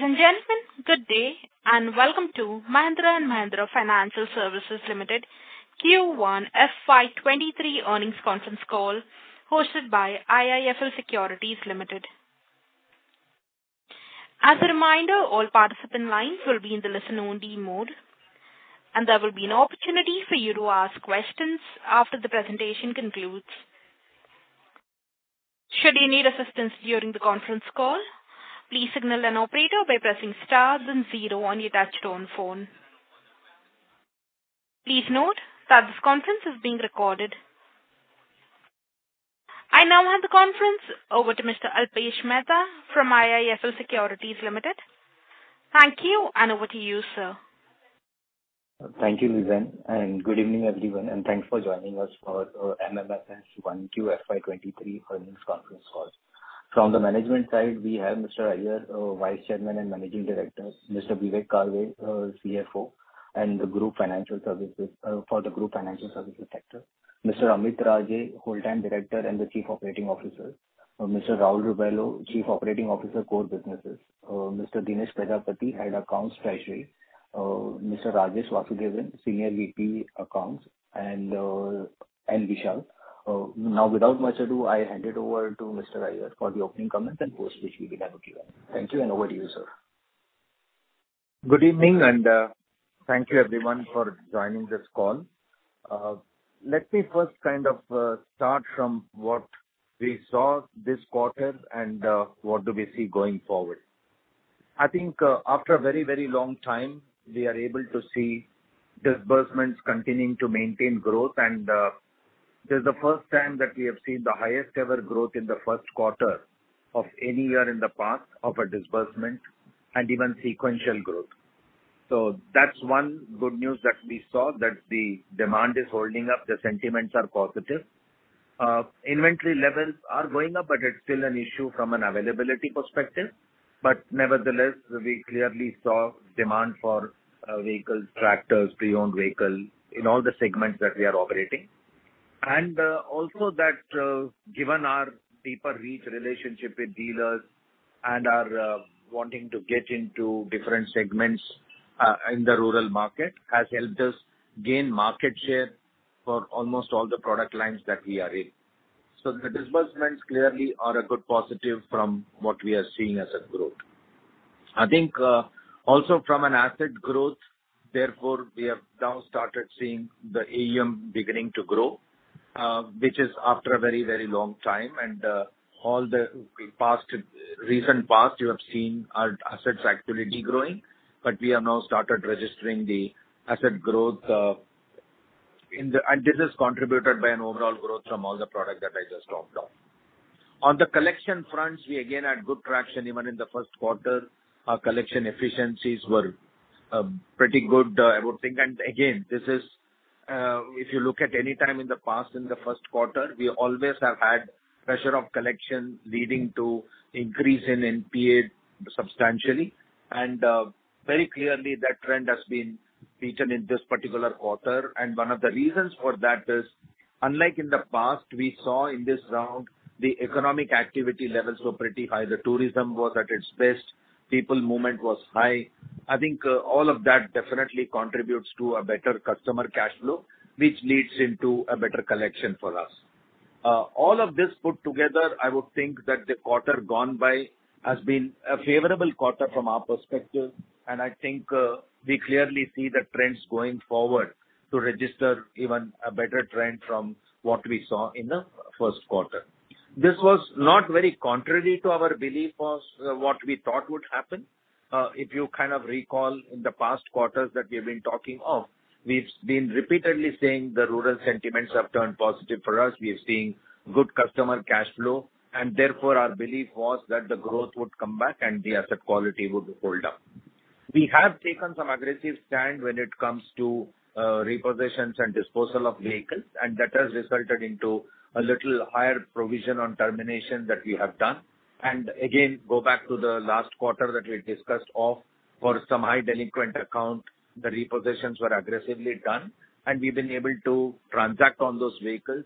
Ladies and gentlemen, good day and welcome to Mahindra & Mahindra Financial Services Limited Q1 FY 2023 earnings conference call hosted by IIFL Securities Limited. As a reminder, all participant lines will be in the listen only mode, and there will be an opportunity for you to ask questions after the presentation concludes. Should you need assistance during the conference call, please signal an operator by pressing star then 0 on your touchtone phone. Please note that this conference is being recorded. I now hand the conference over to Mr. Alpesh Mehta from IIFL Securities Limited. Thank you, and over to you, sir. Thank you, Lizanne, and good evening, everyone, and thanks for joining us for MMFS 1Q FY23 earnings conference call. From the management side, we have Mr. Iyer, vice chairman and managing director, Mr. Vivek Karve, CFO of the group financial services sector, Mr. Amit Raje, Whole Time Director and Chief Operating Officer, Mr. Raul Rebello, Chief Operating Officer, core businesses, Mr. Dinesh Prajapati, Head, Accounts & Treasury, Mr. Rajesh Vasudevan, Senior VP, Accounts, and Vishal. Now without much ado, I hand it over to Mr. Iyer for the opening comments and after which we will have a Q&A. Thank you, and over to you, sir. Good evening, thank you everyone for joining this call. Let me first kind of start from what we saw this quarter and what do we see going forward. I think, after a very, very long time, we are able to see disbursements continuing to maintain growth. This is the first time that we have seen the highest ever growth in the 1st quarter of any year in the past of a disbursement and even sequential growth. That's one good news that we saw, that the demand is holding up, the sentiments are positive. Inventory levels are going up, but it's still an issue from an availability perspective. Nevertheless, we clearly saw demand for vehicles, tractors, pre-owned vehicles in all the segments that we are operating. Also that, given our deeper reach relationship with dealers and our wanting to get into different segments in the rural market has helped us gain market share for almost all the product lines that we are in. The disbursements clearly are a good positive from what we are seeing as a growth. I think, also from an asset growth, therefore, we have now started seeing the AUM beginning to grow, which is after a very, very long time. In all the recent past, you have seen our assets actually degrowing, but we have now started registering the asset growth. This is contributed by an overall growth from all the products that I just talked of. On the collection front, we again had good traction even in the 1st quarter. Our collection efficiencies were pretty good, I would think. Again, this is, if you look at any time in the past in the 1st quarter, we always have had pressure of collection leading to increase in NPA substantially. Very clearly that trend has been featured in this particular quarter. One of the reasons for that is, unlike in the past, we saw in this round the economic activity levels were pretty high. The tourism was at its best. People movement was high. I think, all of that definitely contributes to a better customer cash flow, which leads into a better collection for us. All of this put together, I would think that the quarter gone by has been a favorable quarter from our perspective, and I think, we clearly see the trends going forward to register even a better trend from what we saw in the 1st quarter. This was not very contrary to our belief of, what we thought would happen. If you kind of recall in the past quarters that we've been talking of, we've been repeatedly saying the rural sentiments have turned positive for us. We are seeing good customer cash flow and therefore our belief was that the growth would come back and the asset quality would hold up. We have taken some aggressive stand when it comes to repossessions and disposal of vehicles, and that has resulted into a little higher provision on termination that we have done. Again, go back to the last quarter that we discussed of, for some high delinquent account, the repossessions were aggressively done and we've been able to transact on those vehicles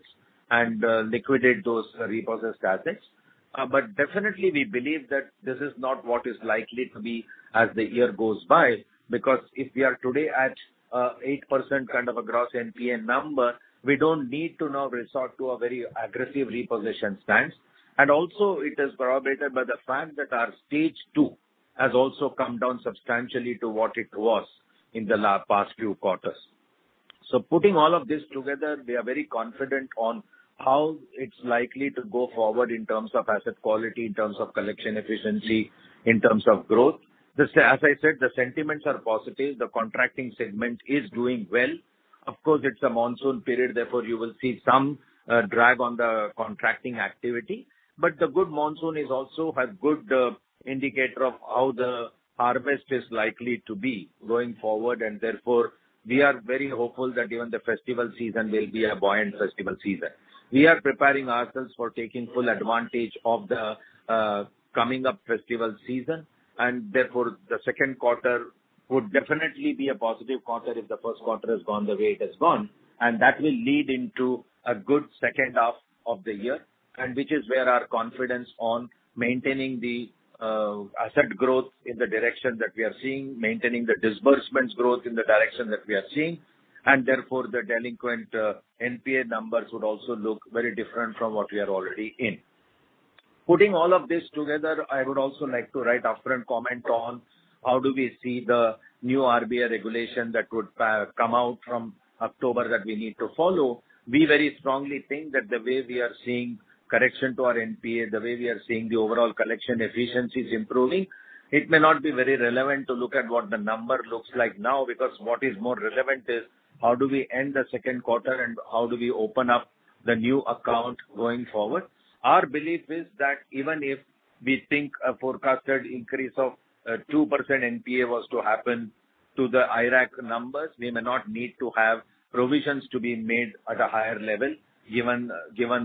and, liquidate those repossessed assets. But definitely we believe that this is not what is likely to be as the year goes by, because if we are today at, eight percent kind of a gross NPA number, we don't need to now resort to a very aggressive repossession stance. Also it is corroborated by the fact that our stage two has also come down substantially to what it was in the past few quarters. Putting all of this together, we are very confident on how it's likely to go forward in terms of asset quality, in terms of collection efficiency, in terms of growth. Just as I said, the sentiments are positive. The contracting segment is doing well. Of course, it's a monsoon period, therefore you will see some drag on the contracting activity. The good monsoon is also a good indicator of how the harvest is likely to be going forward. Therefore, we are very hopeful that even the festival season will be a buoyant festival season. We are preparing ourselves for taking full advantage of the coming up festival season and therefore the second quarter would definitely be a positive quarter if the 1st quarter has gone the way it has gone, and that will lead into a good second half of the year, and which is where our confidence on maintaining the asset growth in the direction that we are seeing, maintaining the disbursements growth in the direction that we are seeing, and therefore the delinquent NPA numbers would also look very different from what we are already in. Putting all of this together, I would also like to make upfront comment on how do we see the new RBI regulation that would come out from October that we need to follow. We very strongly think that the way we are seeing correction to our NPA, the way we are seeing the overall collection efficiency is improving, it may not be very relevant to look at what the number looks like now because what is more relevant is how do we end the second quarter and how do we open up the new account going forward. Our belief is that even if we think a forecasted increase of 2% NPA was to happen to the IRAC numbers, we may not need to have provisions to be made at a higher level given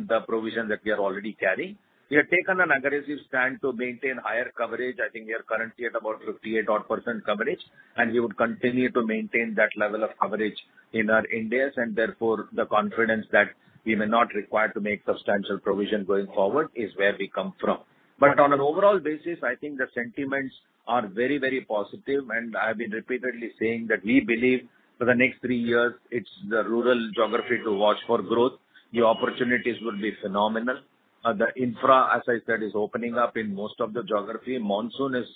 the provision that we are already carrying. We have taken an aggressive stand to maintain higher coverage. I think we are currently at about 58% coverage, and we would continue to maintain that level of coverage in our NPLs and therefore the confidence that we may not require to make substantial provision going forward is where we come from. On an overall basis, I think the sentiments are very, very positive and I have been repeatedly saying that we believe for the next three years it's the rural geography to watch for growth. The opportunities will be phenomenal. The infra, as I said, is opening up in most of the geography. Monsoon is,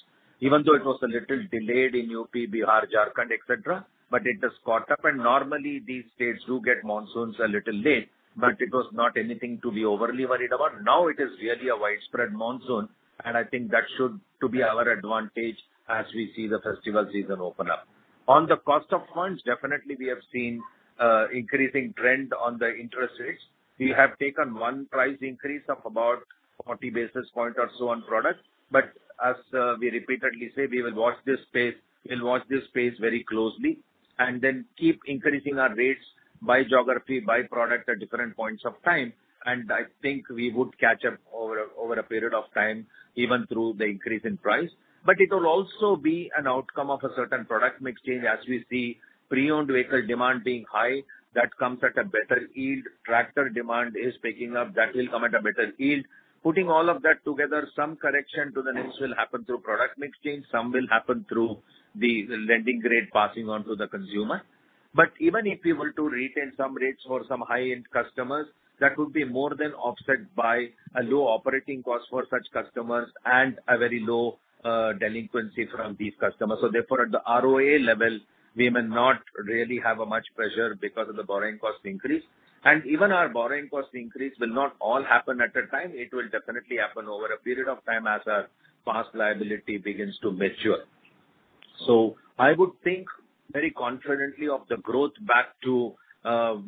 even though it was a little delayed in UP, Bihar, Jharkhand, et cetera, but it has caught up and normally these states do get monsoons a little late, but it was not anything to be overly worried about. Now it is really a widespread monsoon and I think that should to be our advantage as we see the festival season open up. On the cost of funds, definitely we have seen increasing trend on the interest rates. We have taken one price increase of about 40 basis point or so on product, but as we repeatedly say, we will watch this space very closely and then keep increasing our rates by geography, by product at different points of time and I think we would catch up over a period of time even through the increase in price. It will also be an outcome of a certain product mix change as we see pre-owned vehicle demand being high, that comes at a better yield. Tractor demand is picking up, that will come at a better yield. Putting all of that together, some correction to the mix will happen through product mix change, some will happen through the lending rate passing on to the consumer. Even if we were to retain some rates for some high-end customers, that would be more than offset by a low operating cost for such customers and a very low delinquency from these customers. At the ROA level, we may not really have a much pressure because of the borrowing cost increase. Even our borrowing cost increase will not all happen at a time. It will definitely happen over a period of time as our past liability begins to mature. I would think very confidently of the growth back to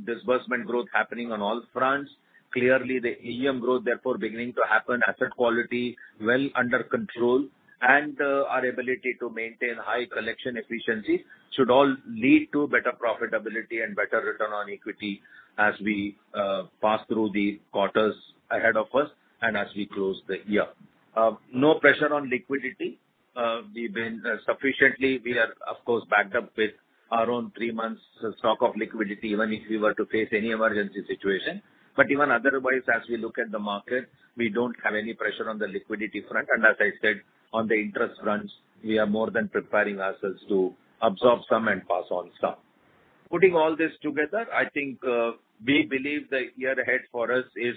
disbursement growth happening on all fronts. Clearly the EM growth therefore beginning to happen, asset quality well under control and, our ability to maintain high collection efficiency should all lead to better profitability and better return on equity as we pass through the quarters ahead of us and as we close the year. No pressure on liquidity. We are of course backed up with our own three months stock of liquidity even if we were to face any emergency situation. Even otherwise as we look at the market, we don't have any pressure on the liquidity front and as I said, on the interest fronts, we are more than preparing ourselves to absorb some and pass on some. Putting all this together, I think we believe the year ahead for us is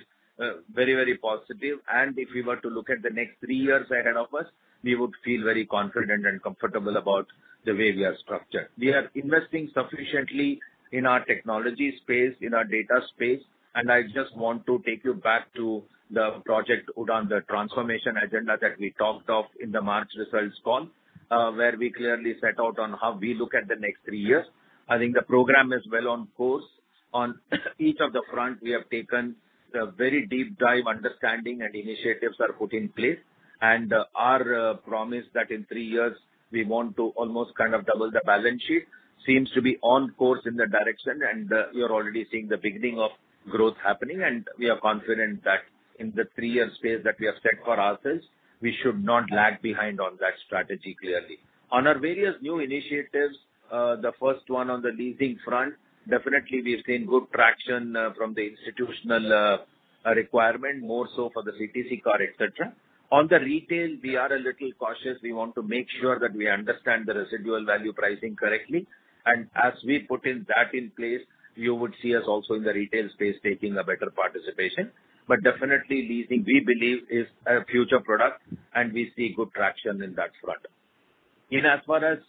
very, very positive and if we were to look at the next 3 years ahead of us, we would feel very confident and comfortable about the way we are structured. We are investing sufficiently in our technology space, in our data space and I just want to take you back to the Project Udaan, the transformation agenda that we talked of in the March results call, where we clearly set out on how we look at the next 3 years. I think the program is well on course. On each of the front we have taken a very deep dive understanding and initiatives are put in place. Our promise that in three years we want to almost kind of double the balance sheet seems to be on course in the direction and we are already seeing the beginning of growth happening and we are confident that in the 3 year space that we have set for ourselves, we should not lag behind on that strategy clearly. On our various new initiatives, the first one on the leasing front, definitely we have seen good traction from the institutional requirement more so for the CTC car, et cetera. On the retail we are a little cautious. We want to make sure that we understand the residual value pricing correctly and as we put in that in place you would see us also in the retail space taking a better participation. Definitely leasing we believe is a future product and we see good traction in that front. As far as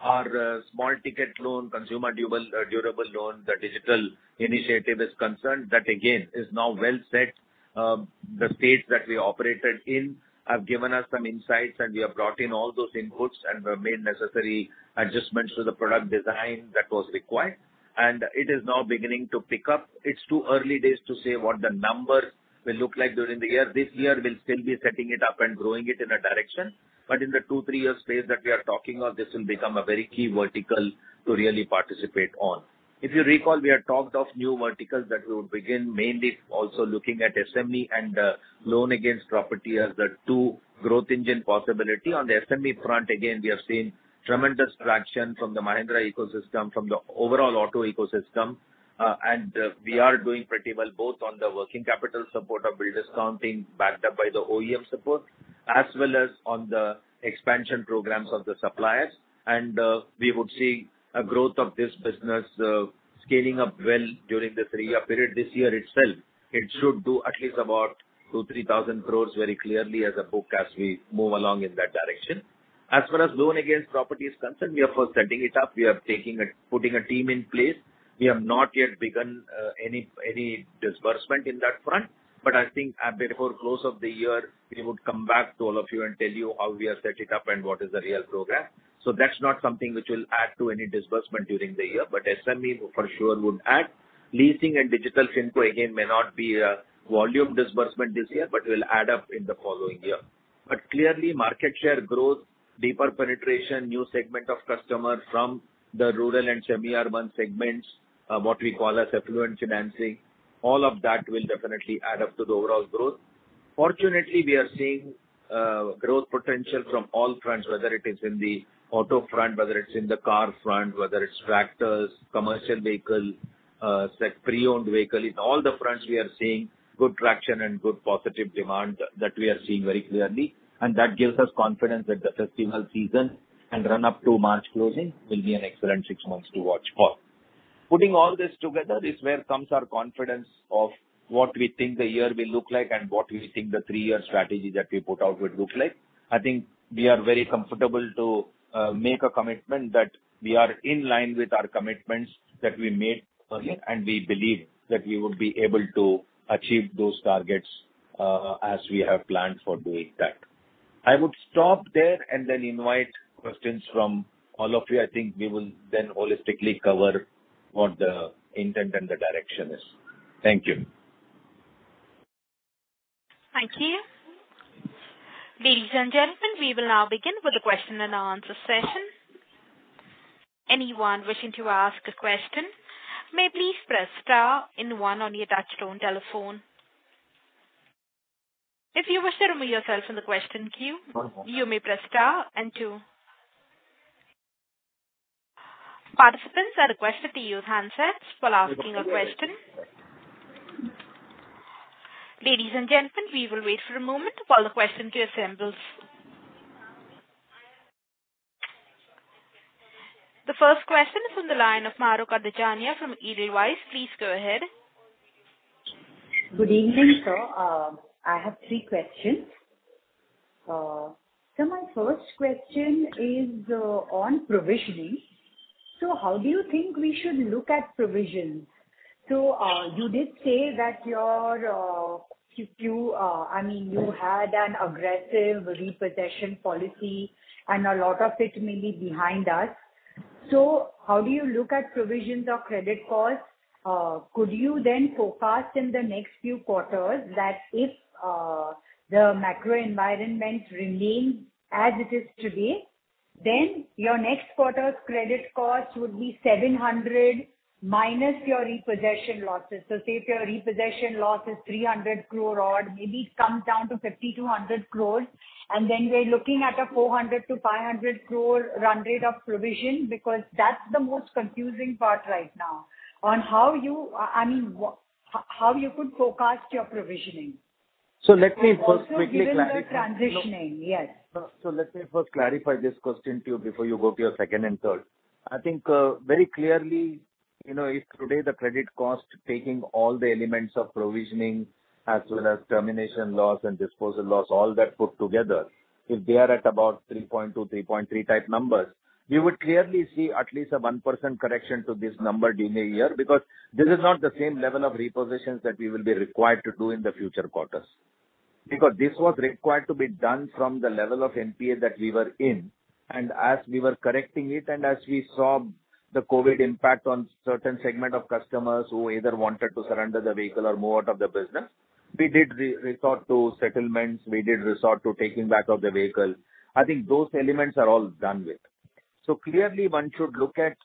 our small ticket loan, consumer durable loan, the digital initiative is concerned, that again is now well set. The states that we operated in have given us some insights and we have brought in all those inputs and we have made necessary adjustments to the product design that was required and it is now beginning to pick up. It's too early days to say what the number will look like during the year. This year we'll still be setting it up and growing it in a direction. In the 2-3-year space that we are talking of, this will become a very key vertical to really participate on. If you recall, we had talked of new verticals that we would begin mainly also looking at SME and loan against property as the 2 growth engine possibility. On the SME front again we have seen tremendous traction from the Mahindra ecosystem, from the overall auto ecosystem, and we are doing pretty well both on the working capital support of bill discounting backed up by the OEM support as well as on the expansion programs of the suppliers. We would see a growth of this business scaling up well during the three-year period. This year itself, it should do at least about 2,000-3,000 crore very clearly as a book as we move along in that direction. As far as loan against property is concerned, we are first setting it up. We are putting a team in place. We have not yet begun any disbursement in that front. I think a bit before close of the year, we would come back to all of you and tell you how we are set it up and what is the real program. That's not something which will add to any disbursement during the year, but SME for sure would add. Leasing and digital FinTech again may not be a volume disbursement this year, but will add up in the following year. Clearly, market share growth, deeper penetration, new segment of customers from the rural and semi-urban segments, what we call as affluent financing, all of that will definitely add up to the overall growth. Fortunately, we are seeing growth potential from all fronts, whether it is in the auto front, whether it's in the car front, whether it's tractors, commercial vehicle, say, pre-owned vehicle. In all the fronts, we are seeing good traction and good positive demand that we are seeing very clearly. That gives us confidence that the festival season and run up to March closing will be an excellent six months to watch for. Putting all this together is where comes our confidence of what we think the year will look like and what we think the 3 year strategy that we put out would look like. I think we are very comfortable to make a commitment that we are in line with our commitments that we made earlier, and we believe that we would be able to achieve those targets as we have planned for doing that. I would stop there and then invite questions from all of you. I think we will then holistically cover what the intent and the direction is. Thank you. Thank you. Ladies and gentlemen, we will now begin with the question and answer session. Anyone wishing to ask a question may please press star and 1 on your touchtone telephone. If you wish to remove yourself from the question queue, you may press star and 2. Participants are requested to use handsets while asking a question. Ladies and gentlemen, we will wait for a moment for the question to assemble. The first question is on the line of Mahrukh Adajania from Edelweiss. Please go ahead. Good evening, sir. I have three questions. My first question is on provisioning. How do you think we should look at provisions? You did say that, I mean, you had an aggressive repossession policy and a lot of it may be behind us. How do you look at provisions of credit costs? Could you then forecast in the next few quarters that if the macro environment remains as it is today, then your next quarter's credit cost would be 700 minus your repossession losses. say if your repossession loss is 300 crore odd, maybe it comes down to 50 crore-100 crore, and then we're looking at a 400 crore-500 crore run rate of provision because that's the most confusing part right now on how you, I mean, how you could forecast your provisioning. So let me first quickly cla- Given the transitioning. Yes. Let me first clarify this question to you before you go to your second and third. I think, very clearly, you know, if today the credit cost, taking all the elements of provisioning as well as termination loss and disposal loss, all that put together, if they are at about 3.2-3.3 type numbers, we would clearly see at least a 1% correction to this number during the year because this is not the same level of repossessions that we will be required to do in the future quarters. Because this was required to be done from the level of NPA that we were in. As we were correcting it and as we saw the COVID impact on certain segment of customers who either wanted to surrender the vehicle or move out of the business, we did resort to settlements, we did resort to taking back of the vehicle. I think those elements are all done with. Clearly one should look at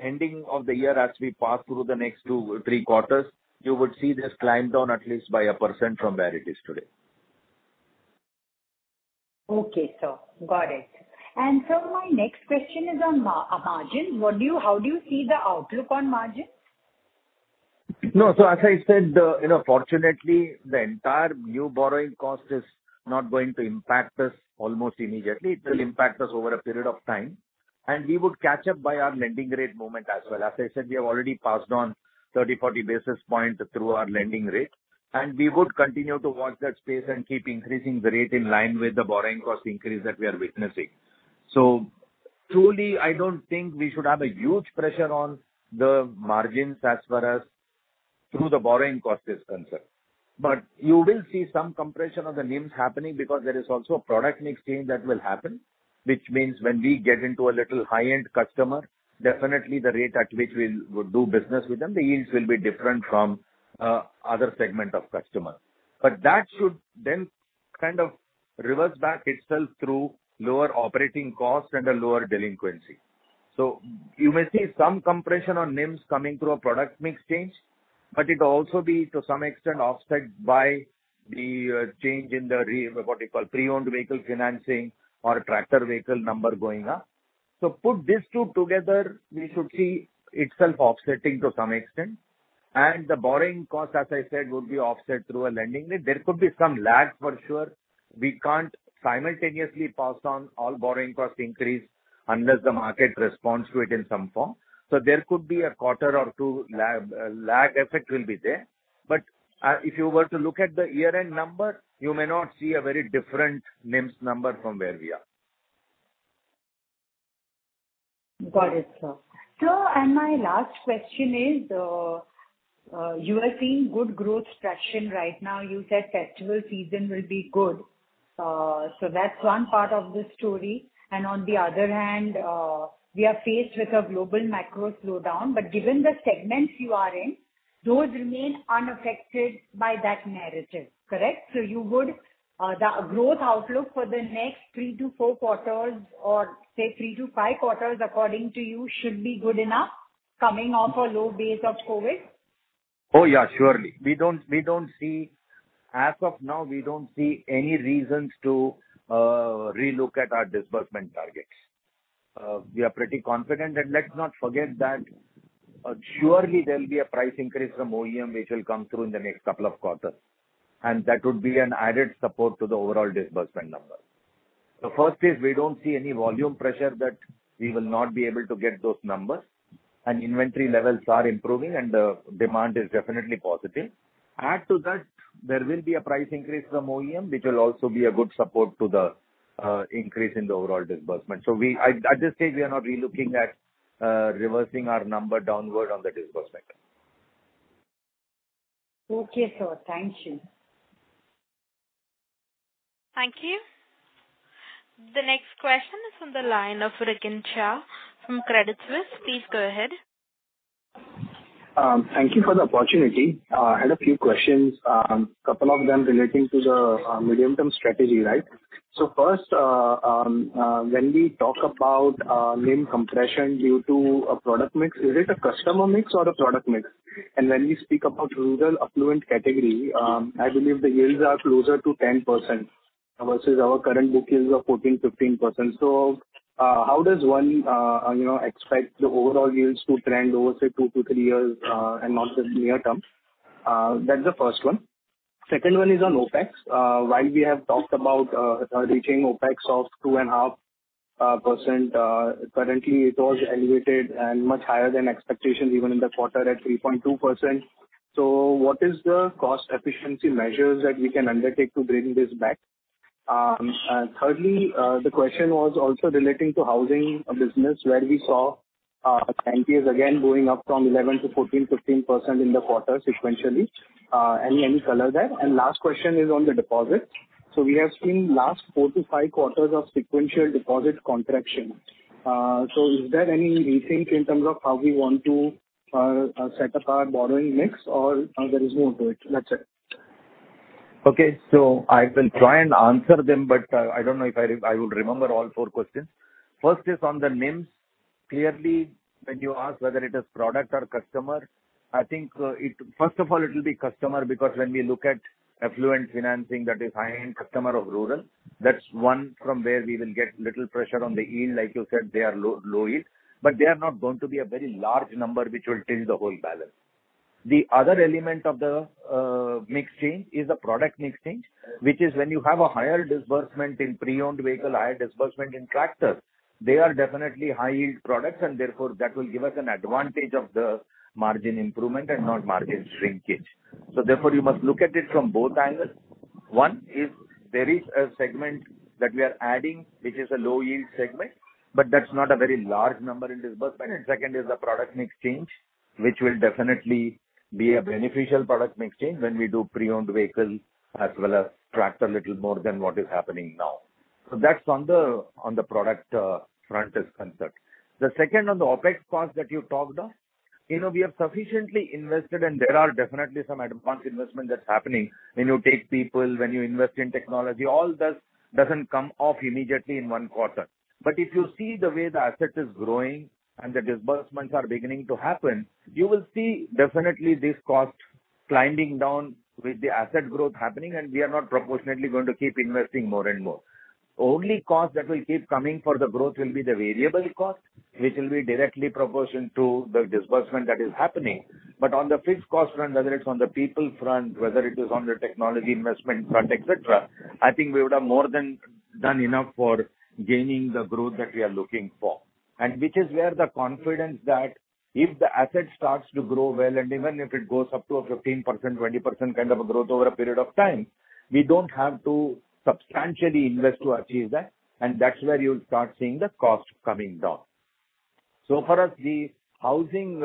end of the year as we pass through the next two, three quarters, you would see this climb down at least by 1% from where it is today. Okay, sir. Got it. My next question is on margin. How do you see the outlook on margin? No. As I said, you know, fortunately, the entire new borrowing cost is not going to impact us almost immediately. It will impact us over a period of time, and we would catch up by our lending rate movement as well. As I said, we have already passed on 30-40 basis points through our lending rate, and we would continue to watch that space and keep increasing the rate in line with the borrowing cost increase that we are witnessing. Truly, I don't think we should have a huge pressure on the margins as far as the borrowing cost is concerned. You will see some compression of the NIMs happening because there is also a product mix change that will happen, which means when we get into a little high-end customer, definitely the rate at which we'll do business with them, the yields will be different from other segment of customer. That should then kind of reverse back itself through lower operating costs and a lower delinquency. You may see some compression on NIMs coming through a product mix change, but it also be to some extent offset by the change in the what you call pre-owned vehicle financing or tractor vehicle number going up. Put these two together, we should see itself offsetting to some extent. The borrowing cost, as I said, would be offset through a lending rate. There could be some lag for sure. We can't simultaneously pass on all borrowing cost increase unless the market responds to it in some form. There could be a quarter or 2 lag effect will be there. If you were to look at the year-end number, you may not see a very different NIMs number from where we are. Got it, sir. Sir, my last question is, you are seeing good growth traction right now. You said festival season will be good. That's one part of the story. On the other hand, we are faced with a global macro slowdown. Given the segments you are in, those remain unaffected by that narrative. Correct? The growth outlook for the next 3-4 quarters, or say 3-5 quarters, according to you, should be good enough coming off a low base of COVID? Surely. We don't see any reasons to relook at our disbursement targets. We are pretty confident. Let's not forget that surely there'll be a price increase from OEM, which will come through in the next couple of quarters, and that would be an added support to the overall disbursement number. The first is we don't see any volume pressure that we will not be able to get those numbers, and inventory levels are improving and the demand is definitely positive. Add to that, there will be a price increase from OEM, which will also be a good support to the increase in the overall disbursement. At this stage we are not relooking at reversing our number downward on the disbursement. Okay, sir. Thank you. Thank you. The next question is on the line of Rikin Shah from Credit Suisse. Please go ahead. Thank you for the opportunity. I had a few questions, couple of them relating to the medium-term strategy, right? First, when we talk about NIM compression due to a product mix, is it a customer mix or a product mix? When we speak about rural affluent category, I believe the yields are closer to 10% versus our current book yields of 14%-15%. How does one, you know, expect the overall yields to trend over, say, 2-3 years and not just near term? That's the first one. Second one is on OpEx. While we have talked about reaching OpEx of 2.5%, currently it was elevated and much higher than expectations even in the quarter at 3.2%. What is the cost efficiency measures that we can undertake to bring this back? Thirdly, the question was also relating to housing business, where we saw NPAs again going up from 11% to 14%-15% in the quarter sequentially. Any color there? Last question is on the deposits. We have seen last 4-5 quarters of sequential deposit contraction. Is there any rethink in terms of how we want to set up our borrowing mix or there is more to it? That's it. Okay. I will try and answer them, but I don't know if I would remember all four questions. First is on the NIM. Clearly, when you ask whether it is product or customer, I think, First of all it will be customer because when we look at affluent financing, that is high-end customer of rural, that's one from where we will get little pressure on the yield. Like you said, they are low yield, but they are not going to be a very large number which will tilt the whole balance. The other element of the mix change is the product mix change, which is when you have a higher disbursement in pre-owned vehicle, higher disbursement in tractors, they are definitely high-yield products, and therefore that will give us an advantage of the margin improvement and not margin shrinkage. Therefore, you must look at it from both angles. One is there is a segment that we are adding which is a low-yield segment, but that's not a very large number in disbursement. Second is the product mix change, which will definitely be a beneficial product mix change when we do pre-owned vehicles as well as tractor little more than what is happening now. That's on the product front as concerned. The second on the OpEx part that you talked of, you know, we have sufficiently invested and there are definitely some advanced investment that's happening when you take people, when you invest in technology. All doesn't come off immediately in one quarter. If you see the way the asset is growing and the disbursements are beginning to happen, you will see definitely this cost climbing down with the asset growth happening, and we are not proportionately going to keep investing more and more. Only cost that will keep coming for the growth will be the variable cost, which will be directly proportional to the disbursement that is happening. On the fixed cost front, whether it's on the people front, whether it is on the technology investment front, et cetera, I think we would have more than done enough for gaining the growth that we are looking for. which is where the confidence that if the asset starts to grow well, and even if it goes up to a 15%, 20% kind of a growth over a period of time, we don't have to substantially invest to achieve that, and that's where you'll start seeing the cost coming down. For us, the housing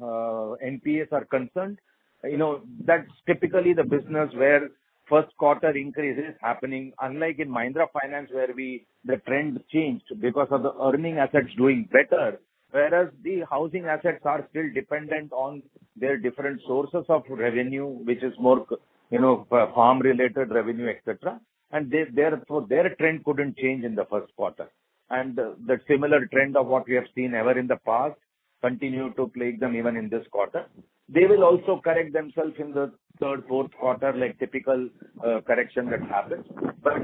NPAs are concerned, you know, that's typically the business where 1st quarter increase is happening, unlike in Mahindra Finance where the trend changed because of the earning assets doing better. Whereas the housing assets are still dependent on their different sources of revenue, which is more, you know, farm-related revenue, et cetera. They therefore, their trend couldn't change in the 1st quarter. The similar trend of what we have seen ever in the past continues to plague them even in this quarter. They will also correct themselves in the third, fourth quarter, like typical correction that happens.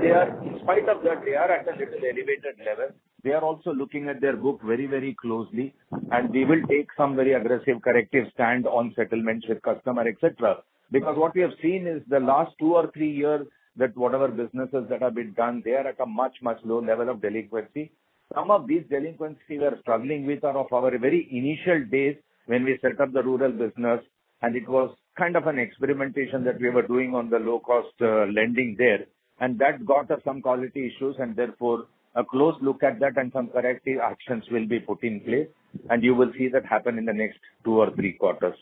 They are, in spite of that, they are at a little elevated level. They are also looking at their book very, very closely, and we will take some very aggressive corrective stance on settlements with customers, et cetera. Because what we have seen is the last two or three years that whatever businesses that have been done, they are at a much, much lower level of delinquency. Some of these delinquencies we are struggling with are of our very initial days when we set up the rural business and it was kind of an experimentation that we were doing on the low cost lending there. That got us some quality issues and therefore a close look at that and some corrective actions will be put in place and you will see that happen in the next two or three quarters.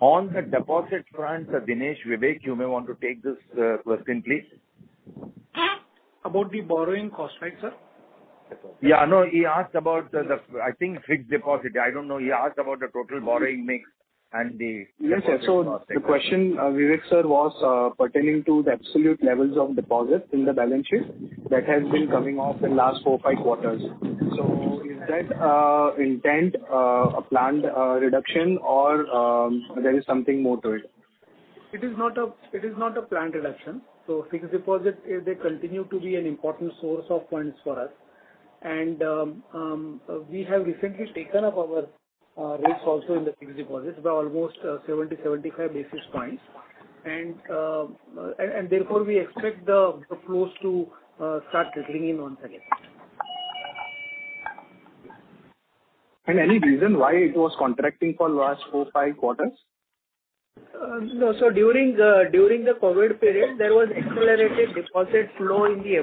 On the deposit front, Dinesh, Vivek, you may want to take this question, please. About the borrowing cost, right, sir? Yeah, no, he asked about the I think fixed deposit. I don't know. He asked about the total borrowing mix and the. Yes, yes. The question, Vivek Sir, was pertaining to the absolute levels of deposits in the balance sheet that has been coming off the last 4-5 quarters. Is that intentional, a planned reduction or there is something more to it? It is not a planned reduction. Fixed deposit, they continue to be an important source of funds for us. We have recently taken up our rates also in the fixed deposits by almost 75 basis points. Therefore, we expect the flows to start drizzling in once again. Any reason why it was contracting for last 4, 5 quarters? No. During the COVID period, there was accelerated deposit flow in the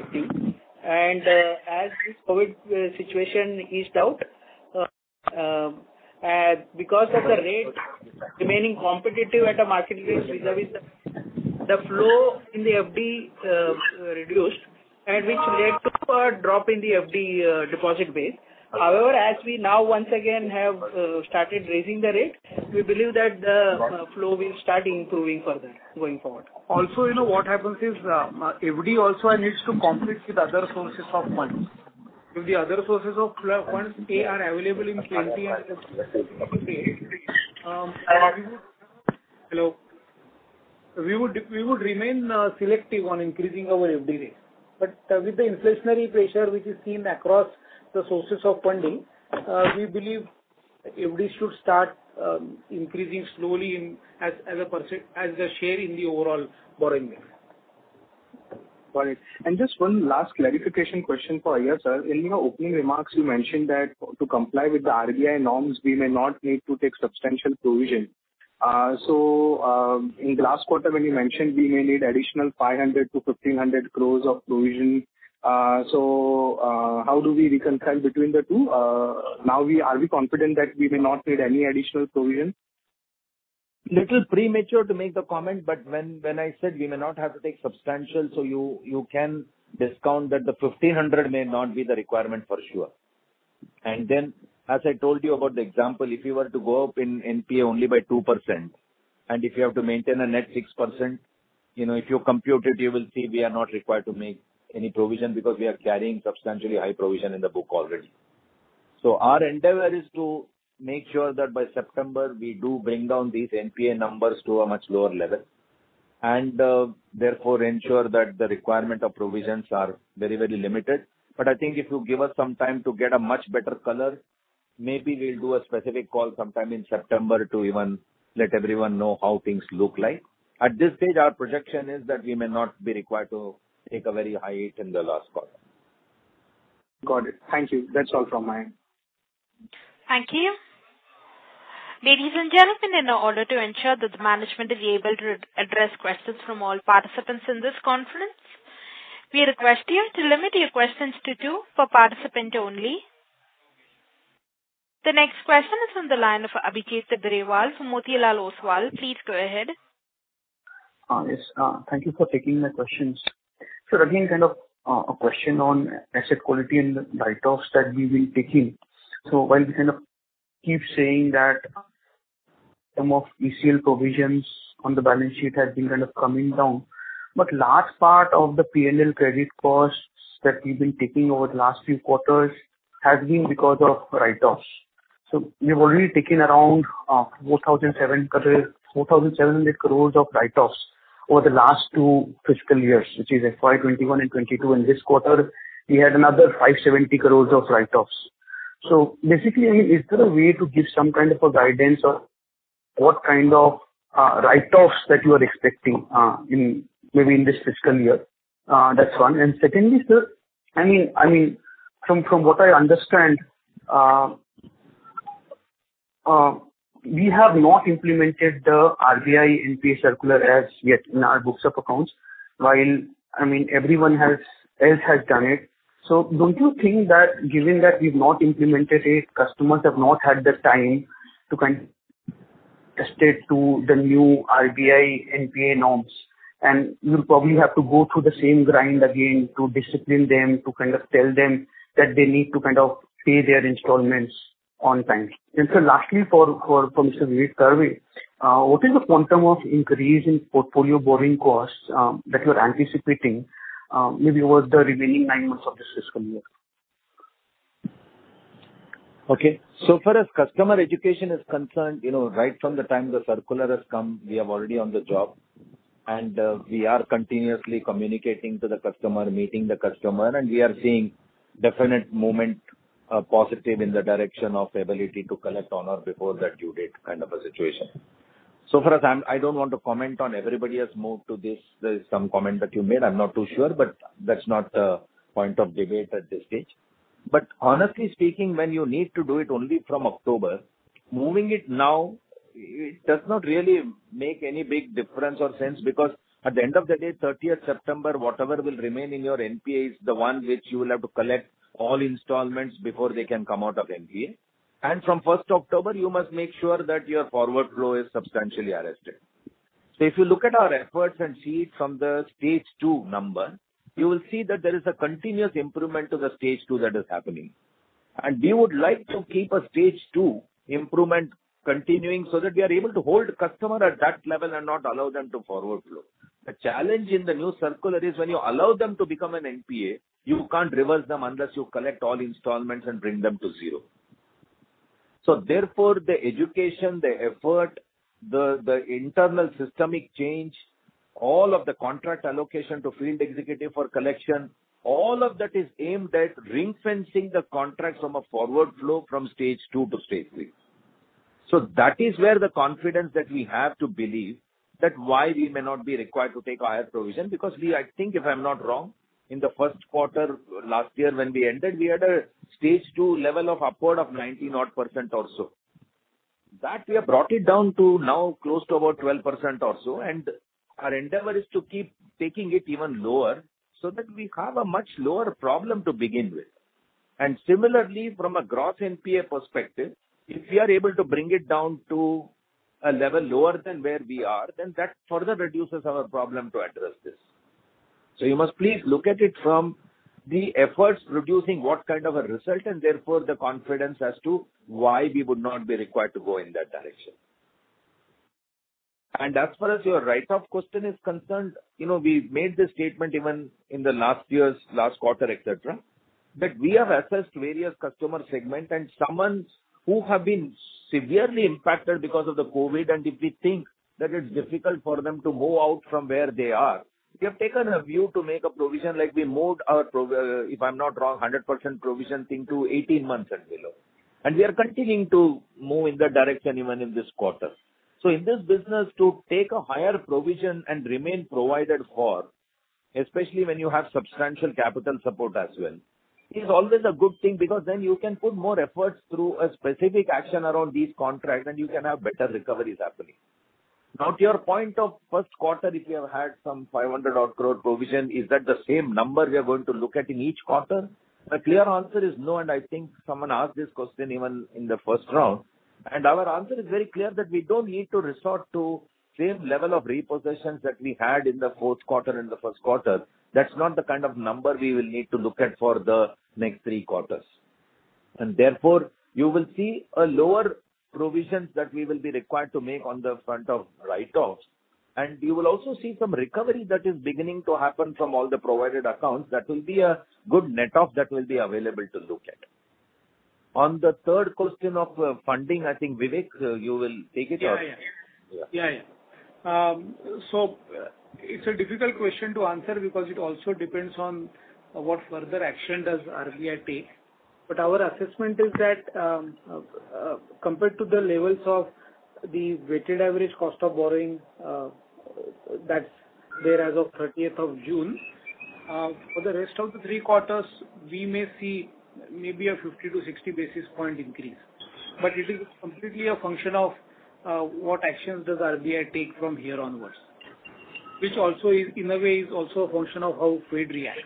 FD. As this COVID situation eased out, because of the rate remaining competitive at a market rate, the flow in the FD reduced, which led to a drop in the FD deposit base. However, as we now once again have started raising the rate, we believe that the flow will start improving further going forward. Also, you know, what happens is, FD also needs to compete with other sources of funds. If the other sources of funds are available in plenty and we would. Hello. We would remain selective on increasing our FD rates. With the inflationary pressure which is seen across the sources of funding, we believe FD should start increasing slowly as a share in the overall borrowing mix. Got it. Just one last clarification question for Mr. Iyer. In your opening remarks you mentioned that to comply with the RBI norms we may not need to take substantial provision. In last quarter when you mentioned we may need additional 500 crore-1,500 crore of provision. How do we reconcile between the two? Now, are we confident that we may not need any additional provision? little premature to make the comment, but when I said we may not have to take substantial, so you can discount that the 1,500 may not be the requirement for sure. Then as I told you about the example, if you were to go up in NPA only by 2% and if you have to maintain a net 6%, you know, if you compute it, you will see we are not required to make any provision because we are carrying substantially high provision in the book already. Our endeavor is to make sure that by September we do bring down these NPA numbers to a much lower level and therefore ensure that the requirement of provisions are very, very limited. I think if you give us some time to get a much better color, maybe we'll do a specific call sometime in September to even let everyone know how things look like. At this stage, our projection is that we may not be required to take a very high hit in the last quarter. Got it. Thank you. That's all from my end. Thank you. Ladies and gentlemen, in order to ensure that the management is able to address questions from all participants in this conference, we request you to limit your questions to two per participant only. The next question is on the line for Abhijit Tibrewal from Motilal Oswal. Please go ahead. Yes. Thank you for taking my questions. Again, kind of, a question on asset quality and write-offs that we've been taking. While we kind of keep saying that some of ECL provisions on the balance sheet has been kind of coming down, but large part of the P&L credit costs that we've been taking over the last few quarters has been because of write-offs. We've already taken around 4,700 crores of write-offs over the last two fiscal years, which is FY 2021 and 2022, and this quarter we had another 570 crores of write-offs. Basically, is there a way to give some kind of a guidance of what kind of write-offs that you are expecting in maybe in this fiscal year? That's one. Secondly, sir, I mean, from what I understand, we have not implemented the RBI NPA circular as yet in our books of accounts, while everyone else has done it. Don't you think that given that we've not implemented it, customers have not had the time to kind of adjust it to the new RBI NPA norms, and you'll probably have to go through the same grind again to discipline them, to kind of tell them that they need to kind of pay their installments on time. Sir, lastly from Mr. Vivek Karve, what is the quantum of increase in portfolio borrowing costs that you're anticipating, maybe over the remaining nine months of this fiscal year? Okay. So far as customer education is concerned, you know, right from the time the circular has come, we are already on the job and, we are continuously communicating to the customer, meeting the customer, and we are seeing definite movement, positive in the direction of ability to collect on or before that due date kind of a situation. For us, I don't want to comment on everybody has moved to this. There is some comment that you made, I'm not too sure, but that's not the point of debate at this stage. Honestly speaking, when you need to do it only from October, moving it now it does not really make any big difference or sense because at the end of the day, thirtieth September, whatever will remain in your NPA is the one which you will have to collect all installments before they can come out of NPA. From first October, you must make sure that your forward flow is substantially arrested. If you look at our efforts and see it from the stage two number, you will see that there is a continuous improvement to the stage two that is happening. We would like to keep a stage two improvement continuing so that we are able to hold customer at that level and not allow them to forward flow. The challenge in the new circular is when you allow them to become an NPA, you can't reverse them unless you collect all installments and bring them to zero. Therefore, the education, the effort, the internal systemic change, all of the contract allocation to field executive for collection, all of that is aimed at ring-fencing the contract from a forward flow from stage 2 to stage 3. That is where the confidence that we have to believe that why we may not be required to take higher provision because we, I think if I'm not wrong, in the 1st quarter last year when we ended, we had a stage two level of upward of 90-odd% or so. That we have brought it down to now close to about 12% or so, and our endeavor is to keep taking it even lower so that we have a much lower problem to begin with. Similarly, from a gross NPA perspective, if we are able to bring it down to a level lower than where we are, then that further reduces our problem to address this. You must please look at it from the efforts producing what kind of a result and therefore the confidence as to why we would not be required to go in that direction. As far as your write-off question is concerned, you know, we made this statement even in the last year's last quarter, et cetera, that we have assessed various customer segment and someone who have been severely impacted because of the COVID and if we think that it's difficult for them to move out from where they are, we have taken a view to make a provision like we moved our, if I'm not wrong, 100% provision thing to 18 months and below. We are continuing to move in that direction even in this quarter. In this business to take a higher provision and remain provided for, especially when you have substantial capital support as well, is always a good thing because then you can put more efforts through a specific action around these contracts and you can have better recoveries happening. Now to your point of 1st quarter, if you have had some 500 crore provision, is that the same number we are going to look at in each quarter? The clear answer is no, and I think someone asked this question even in the first round. Our answer is very clear that we don't need to resort to same level of repossessions that we had in the 4th quarter and the 1st quarter. That's not the kind of number we will need to look at for the next 3 quarters. Therefore you will see a lower provisions that we will be required to make on the front of write-offs. You will also see some recovery that is beginning to happen from all the provided accounts. That will be a good net off that will be available to look at. On the third question of funding, I think, Vivek, you will take it. Yeah, yeah. Yeah. Yeah, yeah. It's a difficult question to answer because it also depends on what further action does RBI take. Our assessment is that, compared to the levels of the weighted average cost of borrowing, that's there as of thirtieth of June, for the rest of the 3 quarters, we may see maybe a 50-60 basis point increase. It is completely a function of, what actions does RBI take from here onwards, which also is, in a way, a function of how Fed reacts.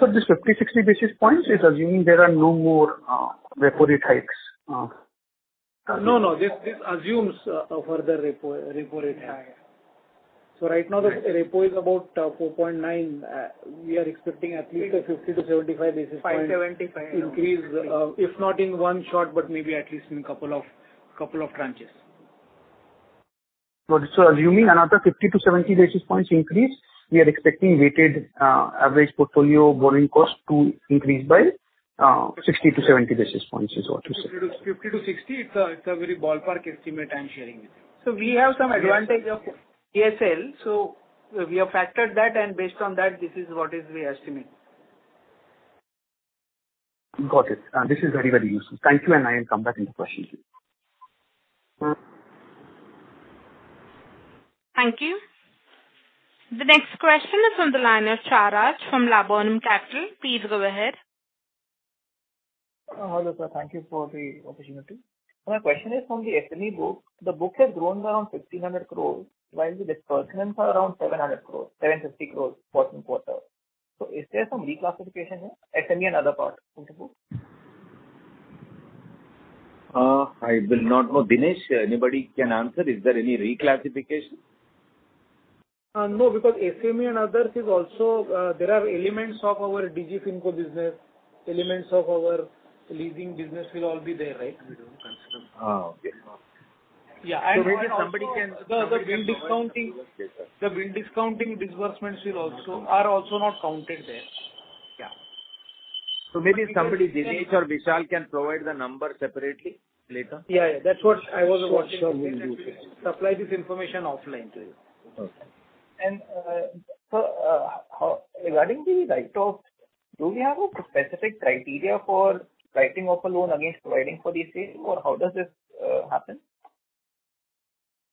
This 50-60 basis points is assuming there are no more repo rate hikes? No, no. This assumes a further repo rate hike. Yeah, yeah. Right now the repo is about 4.9%. We are expecting at least a 50-75 basis point- 5.75, okay. increase, if not in one shot but maybe at least in couple of tranches. Got it. Assuming another 50-70 basis points increase, we are expecting weighted average portfolio borrowing cost to increase by 60-70 basis points is what you're saying. 50-60. It's a very ballpark estimate I'm sharing with you. We have some advantage of ECL, so we have factored that, and based on that, this is what we estimate. Got it. This is very, very useful. Thank you, and I will come back to questions. Thank you. The next question is on the line of Chirag from Laburnum Capital. Please go ahead. Hello, sir. Thank you for the opportunity. My question is on the SME book. The book has grown around 1,500 crores while the disbursements are around 700 crores, 750 crores quarter-over-quarter. Is there some reclassification in SME and other part into book? I will not know. Dinesh, anybody can answer. Is there any reclassification? No, because SME and others is also, there are elements of our DigiFinCo business, elements of our leasing business will all be there, right? We don't consider. Okay. No. Yeah, and also. Maybe somebody can. The bill discounting disbursements are also not counted there. Yeah. Maybe somebody, Dinesh or Vishal can provide the number separately later. Yeah, yeah. That's what I was watching. Sure, sure. We will do so. Supply this information offline to you. Okay. Regarding the write-offs, do we have a specific criteria for writing off a loan against providing for these things or how does this happen?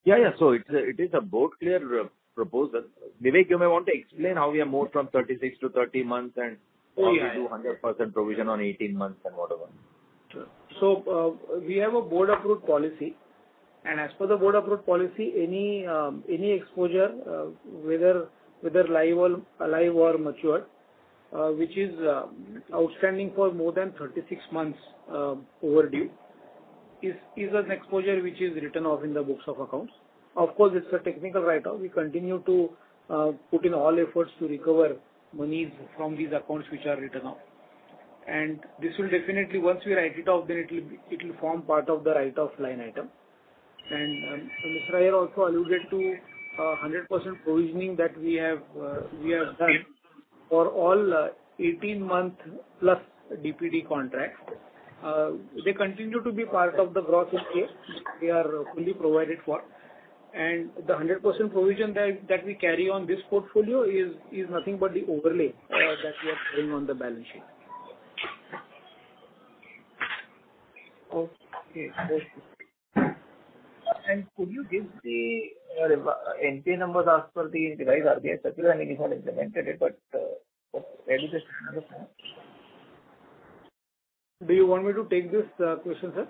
Yeah, yeah. It is a board-cleared proposal. Vivek, you may want to explain how we have moved from 36 to 30 months and- Oh, yeah. Up to 200% provision on 18 months and whatever. Sure. We have a board-approved policy, and as per the board-approved policy, any exposure, whether live or alive or matured, which is outstanding for more than 36 months overdue is an exposure which is written off in the books of accounts. Of course, it's a technical write-off. We continue to put in all efforts to recover monies from these accounts which are written off. This will definitely, once we write it off, then it'll form part of the write-off line item. Mr. Iyer also alluded to 100% provisioning that we have done for all 18-month plus DPD contracts. They continue to be part of the gross NPA. They are fully provided for. The 100% provision that we carry on this portfolio is nothing but the overlay that we are showing on the balance sheet. Okay. That's it. Could you give the NPA numbers as per the revised RBI circular? I know you haven't implemented it, but maybe just another time. Do you want me to take this question, sir?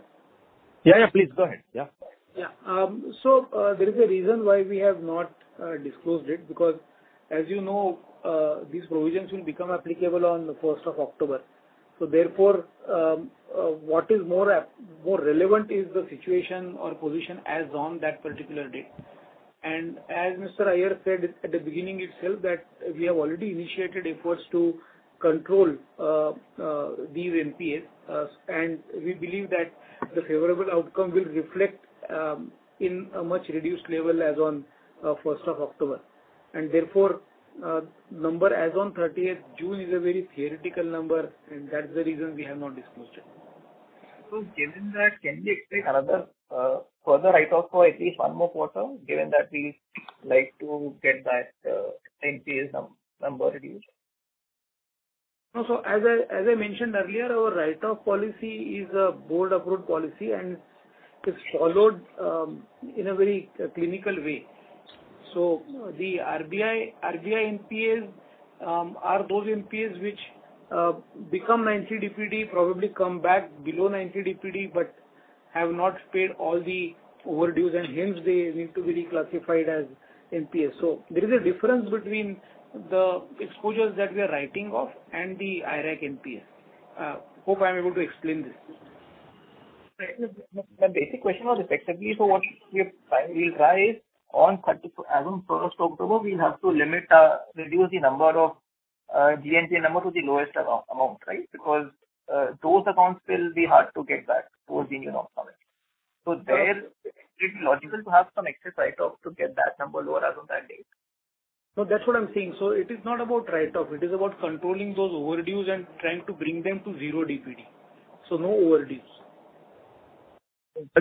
Yeah, yeah, please go ahead. Yeah. Yeah. There is a reason why we have not disclosed it, because as you know, these provisions will become applicable on the 1st of October. Therefore, what is more relevant is the situation or position as on that particular date. As Mr. Iyer said at the beginning itself, that we have already initiated efforts to control these NPAs, and we believe that the favorable outcome will reflect in a much reduced level as on the 1st of October. Therefore, number as on 30th June is a very theoretical number, and that's the reason we have not disclosed it. Given that, can we expect another further write-off for at least one more quarter, given that we like to get that NPA sum, number reduced? No. As I mentioned earlier, our write-off policy is a board-approved policy, and it's followed in a very clinical way. The RBI NPAs are those NPAs which become 90 DPD, probably come back below 90 DPD, but have not paid all the overdues and hence they need to be reclassified as NPAs. There is a difference between the exposures that we are writing off and the IRAC NPAs. Hope I'm able to explain this. Right. The basic question was effectively, what we'll try is on 31st as on 1st October, we'll have to limit, reduce the number of GNPA to the lowest amount, right? Because those accounts will be hard to get back towards the end of summer. There it'll be logical to have some excess write-off to get that number lower as of that date. No, that's what I'm saying. It is not about write-off. It is about controlling those overdues and trying to bring them to zero DPD. No overdues.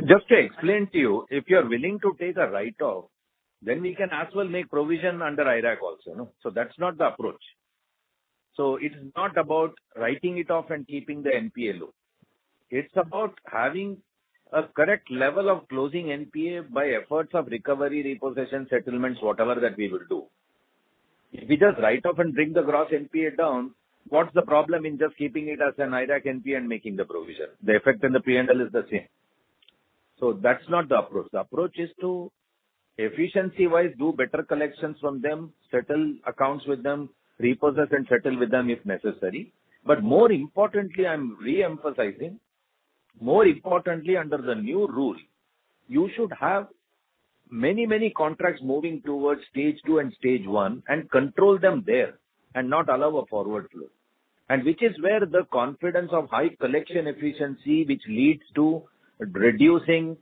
Just to explain to you, if you are willing to take a write-off, then we can as well make provision under IRAC also, no? That's not the approach. It's not about writing it off and keeping the NPA low. It's about having a correct level of closing NPA by efforts of recovery, repossession, settlements, whatever that we will do. If we just write off and bring the gross NPA down, what's the problem in just keeping it as an IRAC NPA and making the provision? The effect on the P&L is the same. That's not the approach. The approach is to efficiency-wise, do better collections from them, settle accounts with them, repossess and settle with them if necessary. More importantly, I'm re-emphasizing, more importantly, under the new rule, you should have many, many contracts moving towards stage two and stage one and control them there and not allow a forward flow. Which is where the confidence of high collection efficiency, which leads to reducing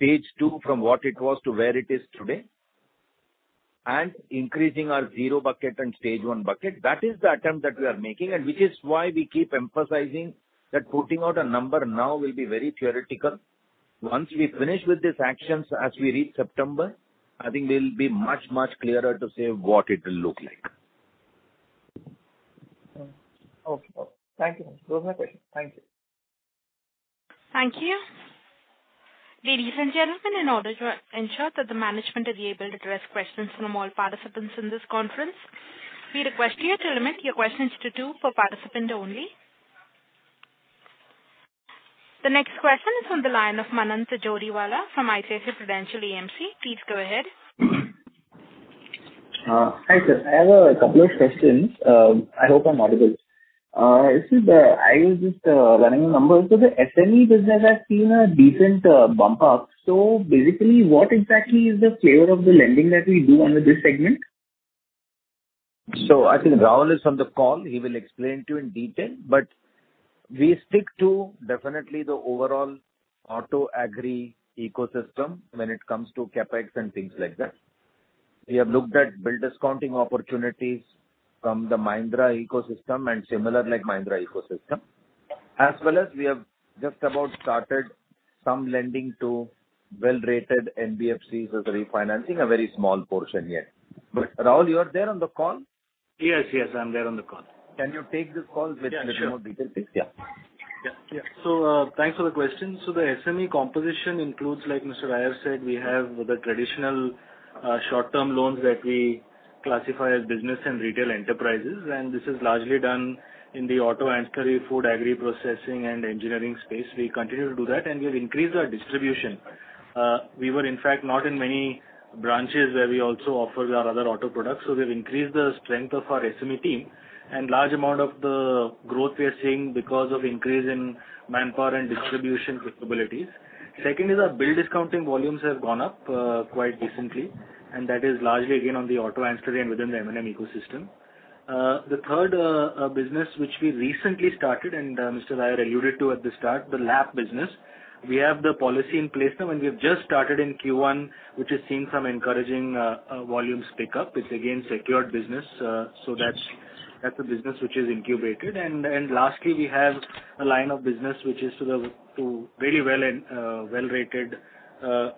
stage two from what it was to where it is today and increasing our zero bucket and stage one bucket. That is the attempt that we are making, and which is why we keep emphasizing that putting out a number now will be very theoretical. Once we finish with these actions as we reach September, I think we'll be much, much clearer to say what it will look like. Okay. Thank you. Those are my questions. Thank you. Thank you. Ladies and gentlemen, in order to ensure that the management is able to address questions from all participants in this conference, we request you to limit your questions to two per participant only. The next question is on the line of Manan Tijoriwala from ICICI Prudential AMC. Please go ahead. Hi, sir. I have a couple of questions. I hope I'm audible. I was just running the numbers. The SME business has seen a decent bump up. Basically, what exactly is the flavor of the lending that we do under this segment? I think Raul is on the call. He will explain to you in detail, but we stick to definitely the overall auto agri ecosystem when it comes to CapEx and things like that. We have looked at bill discounting opportunities from the Mahindra ecosystem and similar like Mahindra ecosystem. As well as we have just about started some lending to well-rated NBFCs as refinancing a very small portion here. Raul, you are there on the call? Yes, yes, I'm there on the call. Can you take this call with- Yeah, sure. A little more details, please? Yeah. Thanks for the question. The SME composition includes, like Mr. Iyer said, we have the traditional, short-term loans that we classify as business and retail enterprises, and this is largely done in the auto ancillary food agri processing and engineering space. We continue to do that, and we've increased our distribution. We were in fact not in many branches where we also offer our other auto products, so we've increased the strength of our SME team and large amount of the growth we are seeing because of increase in manpower and distribution capabilities. Second is our bill discounting volumes have gone up, quite decently, and that is largely again on the auto ancillary and within the M&M ecosystem. The third, business which we recently started and, Mr. Iyer alluded to at the start, the LAP business. We have the policy in place now, and we've just started in Q1, which has seen some encouraging volumes pick up. It's again secured business. That's a business which is incubated. Lastly, we have a line of business which is lending to very well-rated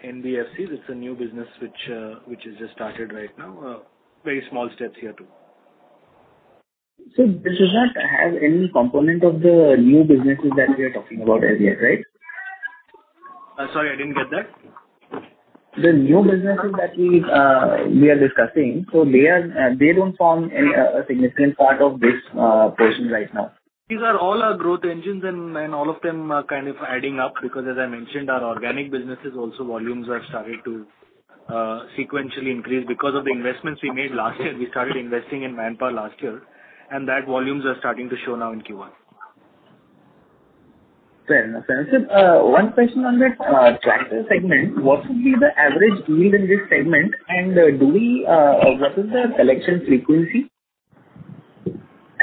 NBFC. This is a new business which has just started right now. Very small steps here too. This does not have any component of the new businesses that we are talking about as yet, right? Sorry, I didn't get that. The new businesses that we are discussing don't form any significant part of this portion right now. These are all our growth engines and all of them are kind of adding up because as I mentioned, our organic businesses also volumes have started to sequentially increase because of the investments we made last year. We started investing in manpower last year, and that volumes are starting to show now in Q1. Fair enough. Sir, one question on that tractor segment. What would be the average yield in this segment, and what is the collection frequency?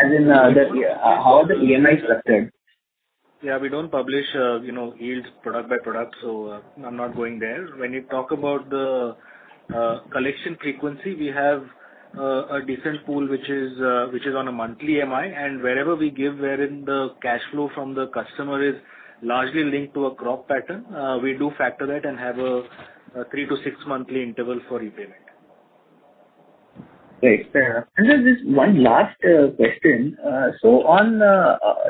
As in, how are the EMIs structured? Yeah, we don't publish, you know, yields product by product, so I'm not going there. When you talk about the collection frequency, we have a decent pool which is on a monthly MI, and wherever we give wherein the cash flow from the customer is largely linked to a crop pattern, we do factor that and have a three to six monthly interval for repayment. Great. Fair enough. Just this one last question. On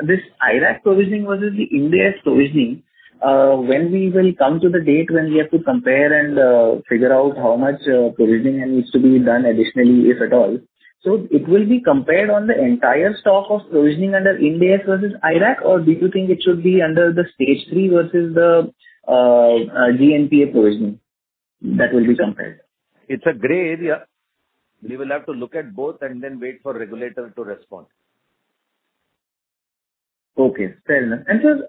this IRAC provisioning versus the Ind AS provisioning, when we will come to the date when we have to compare and figure out how much provisioning needs to be done additionally, if at all. It will be compared on the entire stock of provisioning under Ind AS versus IRAC or do you think it should be under the stage three versus the GNPA provisioning that will be compared? It's a gray area. We will have to look at both and then wait for regulator to respond. Okay. Fair enough. Sir,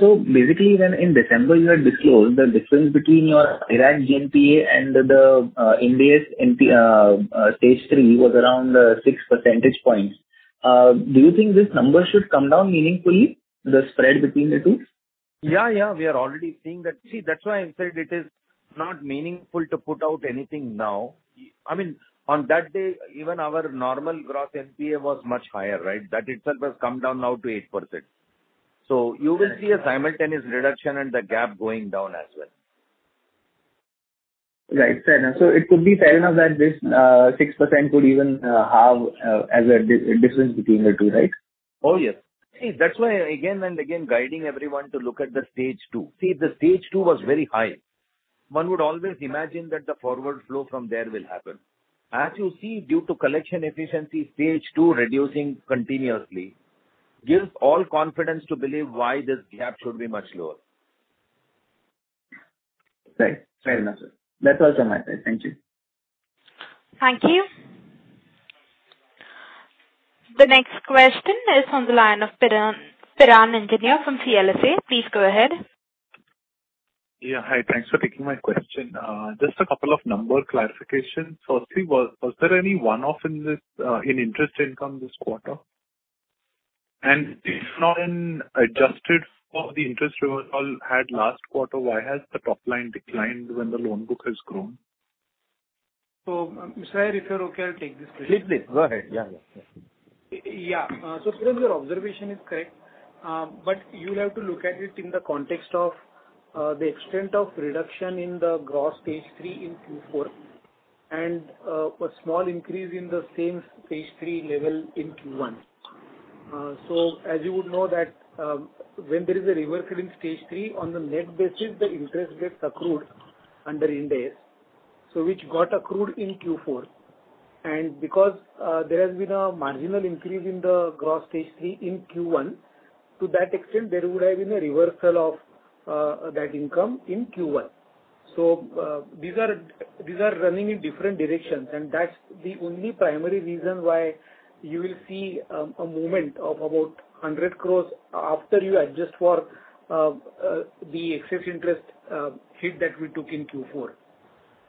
so basically when in December you had disclosed the difference between your IRAC GNPA and the Ind AS Stage 3 was around six percentage points. Do you think this number should come down meaningfully, the spread between the two? Yeah, yeah. We are already seeing that. See, that's why I said it is not meaningful to put out anything now. I mean, on that day, even our normal gross NPA was much higher, right? That itself has come down now to 8%. You will see a simultaneous reduction and the gap going down as well. Right. Fair enough. It could be fair enough that this 6% could even have as a difference between the two, right? Oh, yes. See, that's why again and again, guiding everyone to look at the Stage 2. See, the Stage 2 was very high. One would always imagine that the forward flow from there will happen. As you see, due to collection efficiency, Stage 2 reducing continuously gives all confidence to believe why this gap should be much lower. Right. Fair enough, sir. That was on my side. Thank you. Thank you. The next question is on the line of Piran Engineer from CLSA. Please go ahead. Hi. Thanks for taking my question. Just a couple of number clarifications. Firstly, was there any one-off in interest income this quarter? If not, adjusted for the interest reversal from last quarter, why has the top line declined when the loan book has grown? Mr. Iyer, if you're okay, I'll take this question. Please, Vivek. Go ahead. Yeah, yeah. Yeah. Your observation is correct. You'll have to look at it in the context of the extent of reduction in the gross stage three in Q4 and a small increase in the same stage three level in Q1. As you would know that, when there is a reversal in stage three on the net basis, the interest gets accrued under Ind AS. Which got accrued in Q4 and because there has been a marginal increase in the gross stage three in Q1- To that extent, there would have been a reversal of that income in Q1. These are running in different directions, and that's the only primary reason why you will see a movement of about 100 crore after you adjust for the excess interest hit that we took in Q4.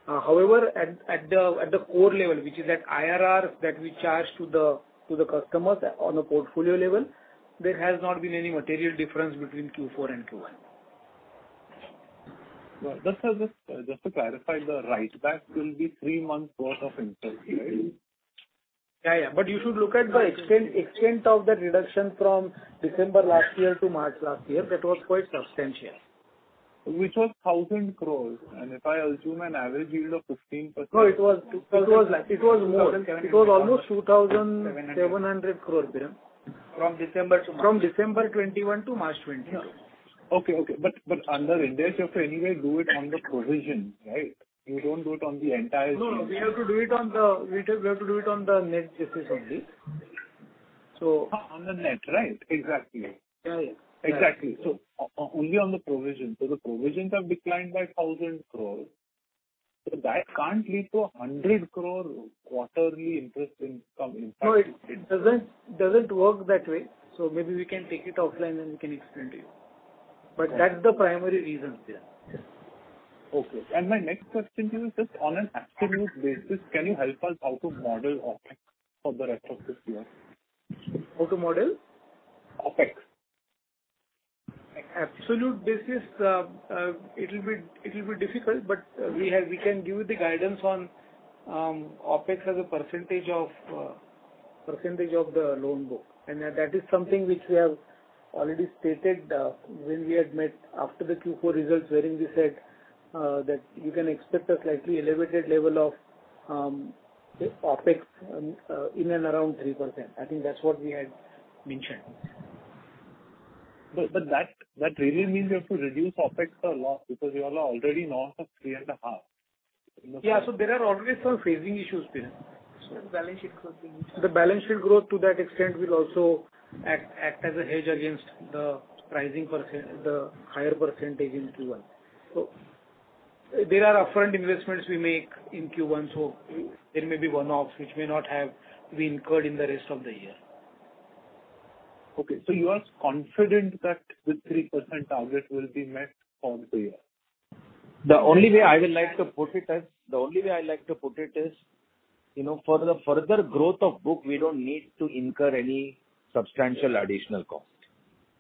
However, at the core level, which is that IRR that we charge to the customers on a portfolio level, there has not been any material difference between Q4 and Q1. Well, just to clarify the write back will be three months worth of interest, right? Yeah. You should look at the extent of that reduction from December last year to March last year. That was quite substantial. Which was 1,000 crore. If I assume an average yield of 15%- No, it was more. It was almost 2,700 crores, Piran Engineer. From December to March. From December 2021 to March 2022. Okay. Under Ind AS you have to anyway do it on the provision, right? You don't do it on the entire- No, we have to do it on the net business only. On the net, right? Exactly. Yeah, yeah. Exactly. Only on the provision. The provisions have declined by 1,000 crores. That can't lead to a 100 crore quarterly interest income impact. No, it doesn't work that way. Maybe we can take it offline and we can explain to you. That's the primary reason, Piran. Okay. My next question to you is just on an absolute basis, can you help us how to model OpEx for the rest of this year? How to model? OpEx. absolute basis, it'll be difficult, but we can give you the guidance on OpEx as a percentage of the loan book. That is something which we have already stated when we had met after the Q4 results, wherein we said that you can expect a slightly elevated level of OpEx in and around 3%. I think that's what we had mentioned. That really means you have to reduce OpEx a lot because you all are already north of 3.5. Yeah. There are always some phasing issues, Piran Engineer. Sir, balance sheet growth. The balance sheet growth to that extent will also act as a hedge against the rising percent, the higher percentage in Q1. There are upfront investments we make in Q1, so there may be one-offs which may not have been incurred in the rest of the year. Okay. You are confident that the 3% target will be met on the year? The only way I like to put it is, you know, for the further growth of book, we don't need to incur any substantial additional cost.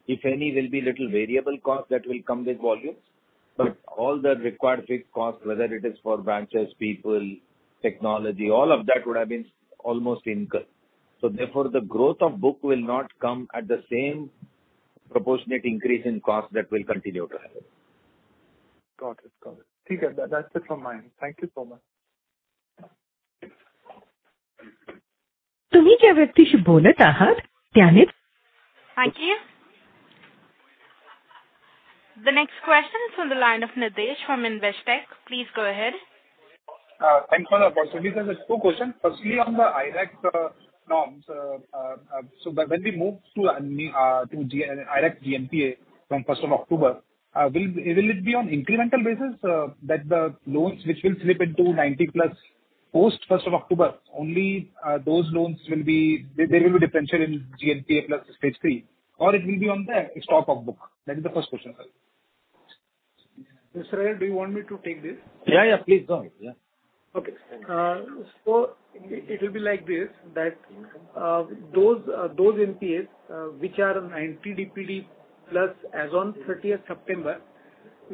If any, will be little variable cost that will come with volumes. But all the required fixed costs, whether it is for branches, people, technology, all of that would have been almost incurred. Therefore, the growth of book will not come at the same proportionate increase in cost that will continue to have. Got it. That's it from my end. Thank you so much. Thank you. The next question is on the line of Nilesh from Investec. Please go ahead. Thanks for the opportunity, sir. There's two questions. Firstly, on the IRAC norms. When we move to IRAC GNPA from first of October, will it be on incremental basis, that the loans which will slip into 90+ post first of October, only, those loans will be there will be differential in GNPA plus stage three or it will be on the stock of book? That is the first question, sir. Nilesh, do you want me to take this? Yeah, yeah, please go ahead. Yeah. Okay. It will be like this, that, those NPAs, which are 90 DPD plus as on thirtieth September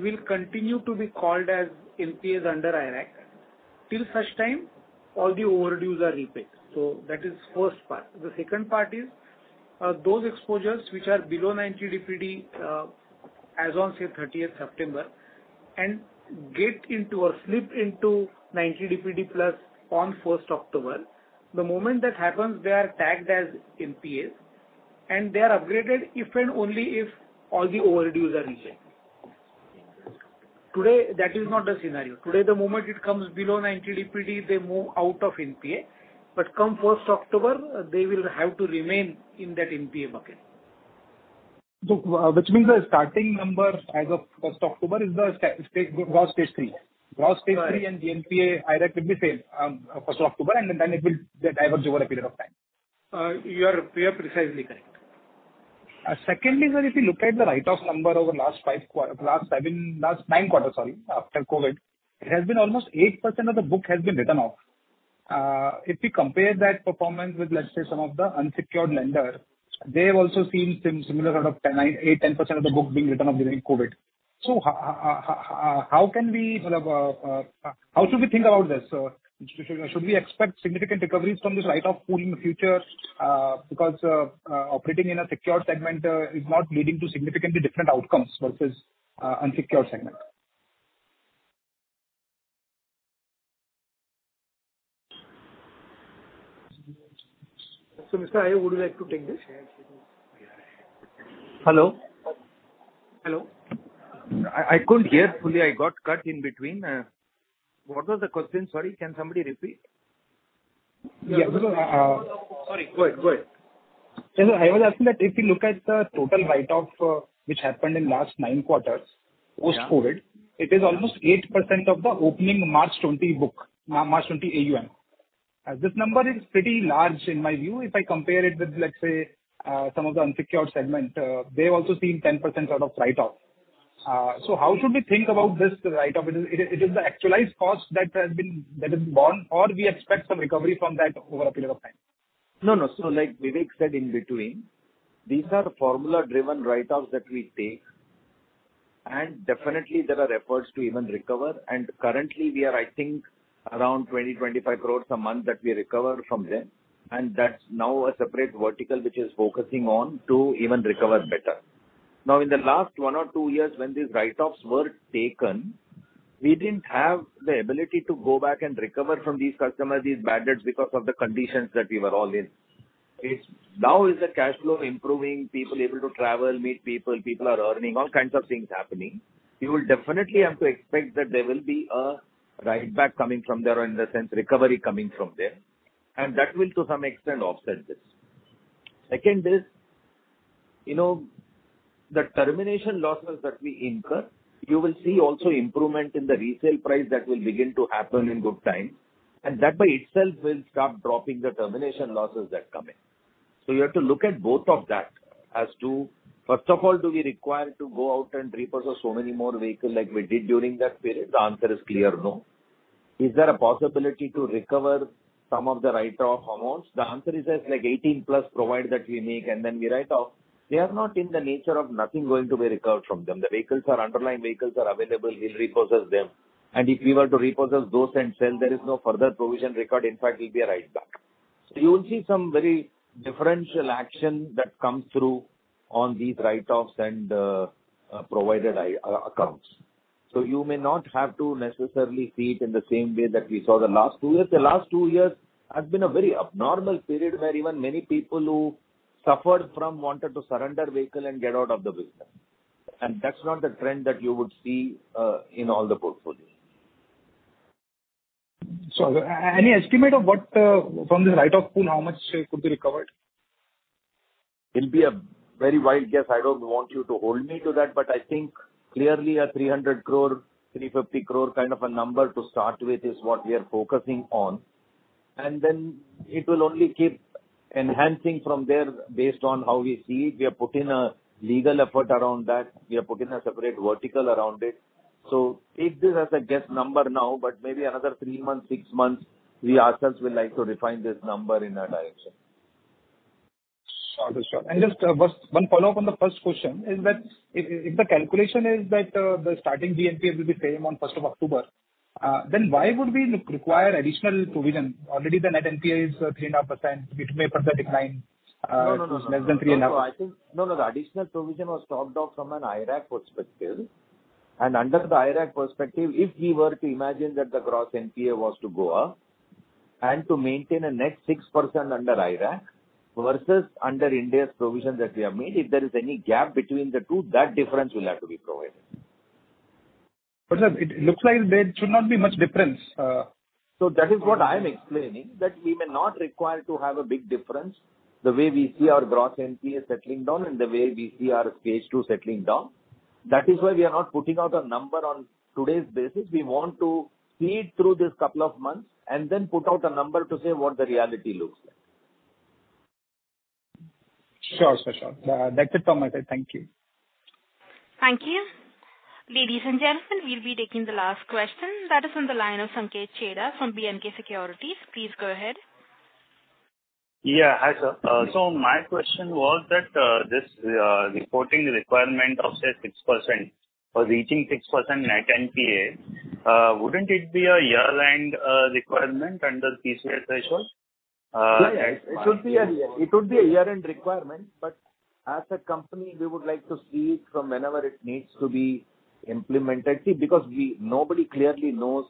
will continue to be called as NPAs under IRAC till such time all the overdues are repaid. That is first part. The second part is, those exposures which are below 90 DPD, as on, say, thirtieth September and get into or slip into 90 DPD plus on first October, the moment that happens, they are tagged as NPAs and they are upgraded if and only if all the overdue are regained. Today, that is not the scenario. Today, the moment it comes below 90 DPD, they move out of NPA. Come first October, they will have to remain in that NPA bucket. Which means the starting number as of first October is the stage three. Stage three and GNPA IRAC will be same, 1st of October, and then it will diverge over a period of time. You are precisely correct. Secondly, sir, if you look at the write-off number over the last 9 quarters after COVID, it has been almost 8% of the book has been written off. If we compare that performance with, let's say, some of the unsecured lenders, they have also seen similar sort of 10, 8, 10% of the book being written off during COVID. How should we think about this? Should we expect significant recoveries from this write-off pool in the future? Because operating in a secured segment is not leading to significantly different outcomes versus unsecured segment. Mr. Iyer, would you like to take this? Hello? I couldn't hear fully. I got cut in between. What was the question? Sorry. Can somebody repeat? Yeah. Sorry, go ahead. I was asking that if we look at the total write-off, which happened in last nine quarters. Yeah. Post-COVID, it is almost 8% of the opening March 2020 book, March 2020 AUM. This number is pretty large in my view. If I compare it with, let's say, some of the unsecured segment, they've also seen 10% sort of write-off. How should we think about this write-off? It is the actualized cost that is borne, or we expect some recovery from that over a period of time? No, no. Like Vivek said in between, these are formula-driven write-offs that we take, and definitely there are efforts to even recover. Currently we are writing around 20-25 crore a month that we recover from there, and that's now a separate vertical which is focusing on to even recover better. Now, in the last one or two years when these write-offs were taken, we didn't have the ability to go back and recover from these customers, these bad debts because of the conditions that we were all in. It's now is the cash flow improving, people able to travel, meet people are earning, all kinds of things happening. You will definitely have to expect that there will be a write back coming from there, or in the sense recovery coming from there, and that will to some extent offset this. Second is, you know, the termination losses that we incur, you will see also improvement in the resale price that will begin to happen in good time, and that by itself will start dropping the termination losses that come in. You have to look at both of that as to, first of all, do we require to go out and repossess so many more vehicles like we did during that period? The answer is clear, no. Is there a possibility to recover some of the write-off amounts? The answer is that like 18+ provisions that we make and then we write off, they are not in the nature of nothing going to be recovered from them. The underlying vehicles are available, we'll repossess them. If we were to repossess those and sell, there is no further provision required. In fact it will be a write back. You will see some very differential action that comes through on these write-offs and provided accounts. You may not have to necessarily see it in the same way that we saw the last two years. The last two years has been a very abnormal period where even many people who suffered from wanted to surrender vehicle and get out of the business. That's not the trend that you would see in all the portfolios. Any estimate of what from this write-off pool, how much could be recovered? It'll be a very wild guess. I don't want you to hold me to that. I think clearly an 300 crore, 350 crore kind of a number to start with is what we are focusing on. Then it will only keep enhancing from there based on how we see it. We have put in a legal effort around that. We have put in a separate vertical around it. Take this as a guess number now, but maybe another 3 months, 6 months, we ourselves will like to refine this number in that direction. Sure. Just first one follow-up on the first question is that if the calculation is that the starting GNPA will be same on first of October, then why would we require additional provision? Already the net NPA is 3.5%. It may further decline. No, no. less than 3.5. The additional provision was talked of from an IRAC perspective. Under the IRAC perspective, if we were to imagine that the gross NPA was to go up and to maintain a net 6% under IRAC versus under Ind AS provision that we have made, if there is any gap between the two, that difference will have to be provided. It looks like there should not be much difference. that is what I'm explaining, that we may not require to have a big difference the way we see our gross NPA settling down and the way we see our stage two settling down. That is why we are not putting out a number on today's basis. We want to see it through this couple of months and then put out a number to say what the reality looks like. Sure. For sure. That's it from my side. Thank you. Thank you. Ladies and gentlemen, we'll be taking the last question. That is on the line of Sanket Chheda from DAM Capital. Please go ahead. Hi, sir. My question was that, this reporting requirement of, say, 6% or reaching 6% net NPA, wouldn't it be a year-end requirement under PCA threshold? Yeah, it should be a year, it would be a year-end requirement, but as a company we would like to see it from whenever it needs to be implemented. See, because nobody clearly knows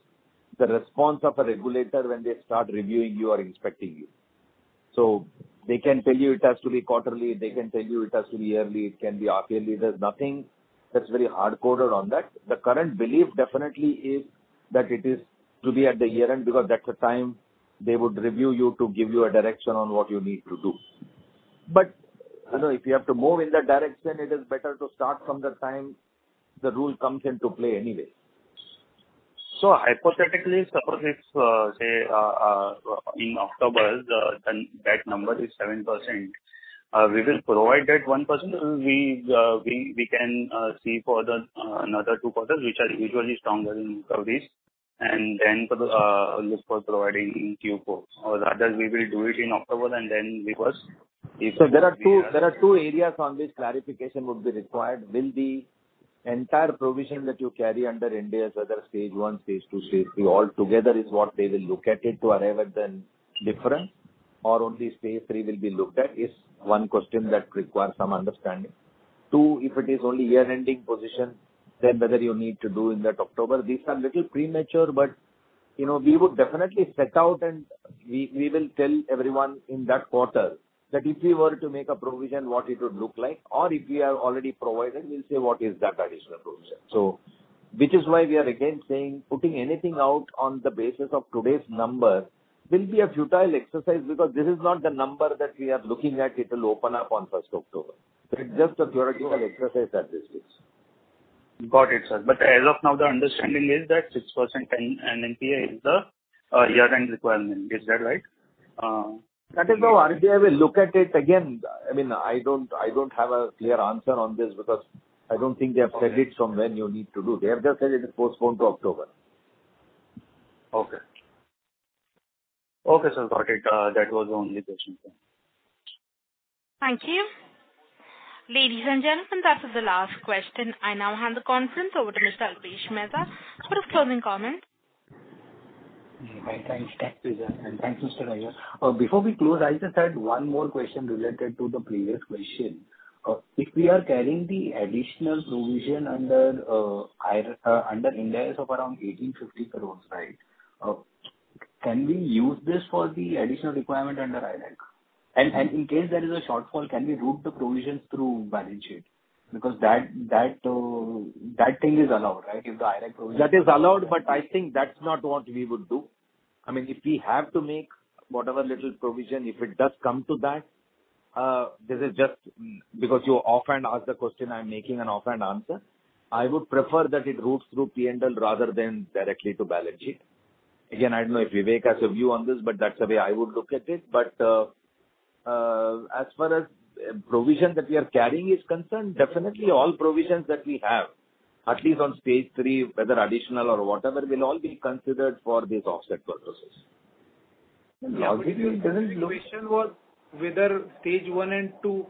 the response of a regulator when they start reviewing you or inspecting you. They can tell you it has to be quarterly. They can tell you it has to be yearly. It can be half-yearly. There's nothing that's very hardcoded on that. The current belief definitely is that it is to be at the year-end because that's the time they would review you to give you a direction on what you need to do. You know, if you have to move in that direction, it is better to start from the time the rule comes into play anyway. Hypothetically, suppose it's, say, in October, then that number is 7%. We will provide that 1%. We can see another 2 quarters which are usually stronger in recoveries and then look for providing in Q4. Rather we will do it in October and then reverse if- There are 2 areas on which clarification would be required. Will the entire provision that you carry under Ind AS whether phase one, phase two, phase three all together is what they will look at it to arrive at the difference or only phase three will be looked at is one question that requires some understanding. 2, if it is only year-ending position, then whether you need to do in that October. These are a little premature, but you know, we would definitely set out and we will tell everyone in that quarter that if we were to make a provision, what it would look like. Or if we have already provided, we'll say what is that additional provision. Which is why we are again saying, putting anything out on the basis of today's number will be a futile exercise because this is not the number that we are looking at. It'll open up on first October. It's just a theoretical exercise at this stage. Got it, sir. As of now, the understanding is that 6% net NPA is the year-end requirement. Is that right? That is how RBI will look at it. Again, I mean, I don't have a clear answer on this because I don't think they have said it from when you need to do. They have just said it is postponed to October. Okay. Okay, sir. Got it. That was the only question for me. Thank you. Ladies and gentlemen, that was the last question. I now hand the conference over to Mr. Alpesh Mehta for his closing comments. Okay, thanks. Thanks, Priya, and thanks, Mr. Iyer. Before we close, I just had one more question related to the previous question. If we are carrying the additional provision under IRAC under Ind AS of around 1,850 crores, right, can we use this for the additional requirement under IRAC? And in case there is a shortfall, can we route the provisions through balance sheet? Because that thing is allowed, right? If the IRAC provision- That is allowed, but I think that's not what we would do. I mean, if we have to make whatever little provision, if it does come to that, this is just because you asked the question, I'm making an offered answer. I would prefer that it routes through P&L rather than directly to balance sheet. Again, I don't know if Vivek has a view on this, but that's the way I would look at it. As far as the provision that we are carrying is concerned, definitely all provisions that we have, at least on stage three, whether additional or whatever, will all be considered for this offset purposes. Logically, it doesn't look. The question was whether Stage 1 and 2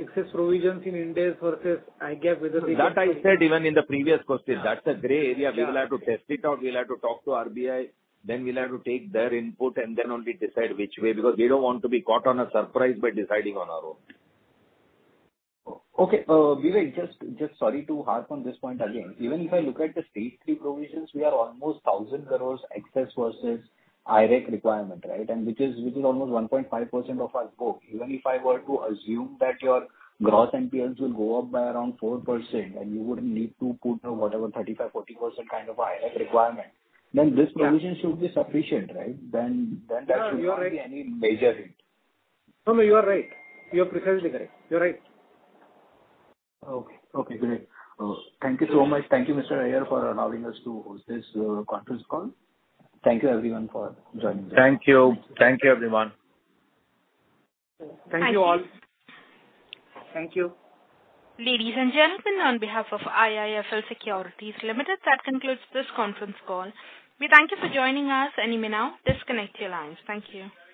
excess provisions in Ind AS versus IRAC. That I said even in the previous question. Yeah. That's a gray area. Yeah. We will have to test it out. We'll have to talk to RBI. We'll have to take their input and then only decide which way, because we don't want to be caught by surprise by deciding on our own. Okay. Vivek, just sorry to harp on this point again. Even if I look at the stage three provisions, we are almost 1,000 crore excess versus IRAC requirement, right? Which is almost 1.5% of our book. Even if I were to assume that your gross NPAs will go up by around 4%, and you would need to put whatever 35%-40% kind of IRAC requirement, then this provision. Should be sufficient, right? That No, you are right. Shouldn't be any major hit. No, you are right. You're precisely correct. You're right. Okay, great. Thank you so much. Thank you, Mr. Iyer, for allowing us to host this conference call. Thank you everyone for joining us. Thank you. Thank you, everyone. Thank you all. Thank you. Ladies and gentlemen, on behalf of IIFL Securities Limited, that concludes this conference call. We thank you for joining us. You may now disconnect your lines. Thank you.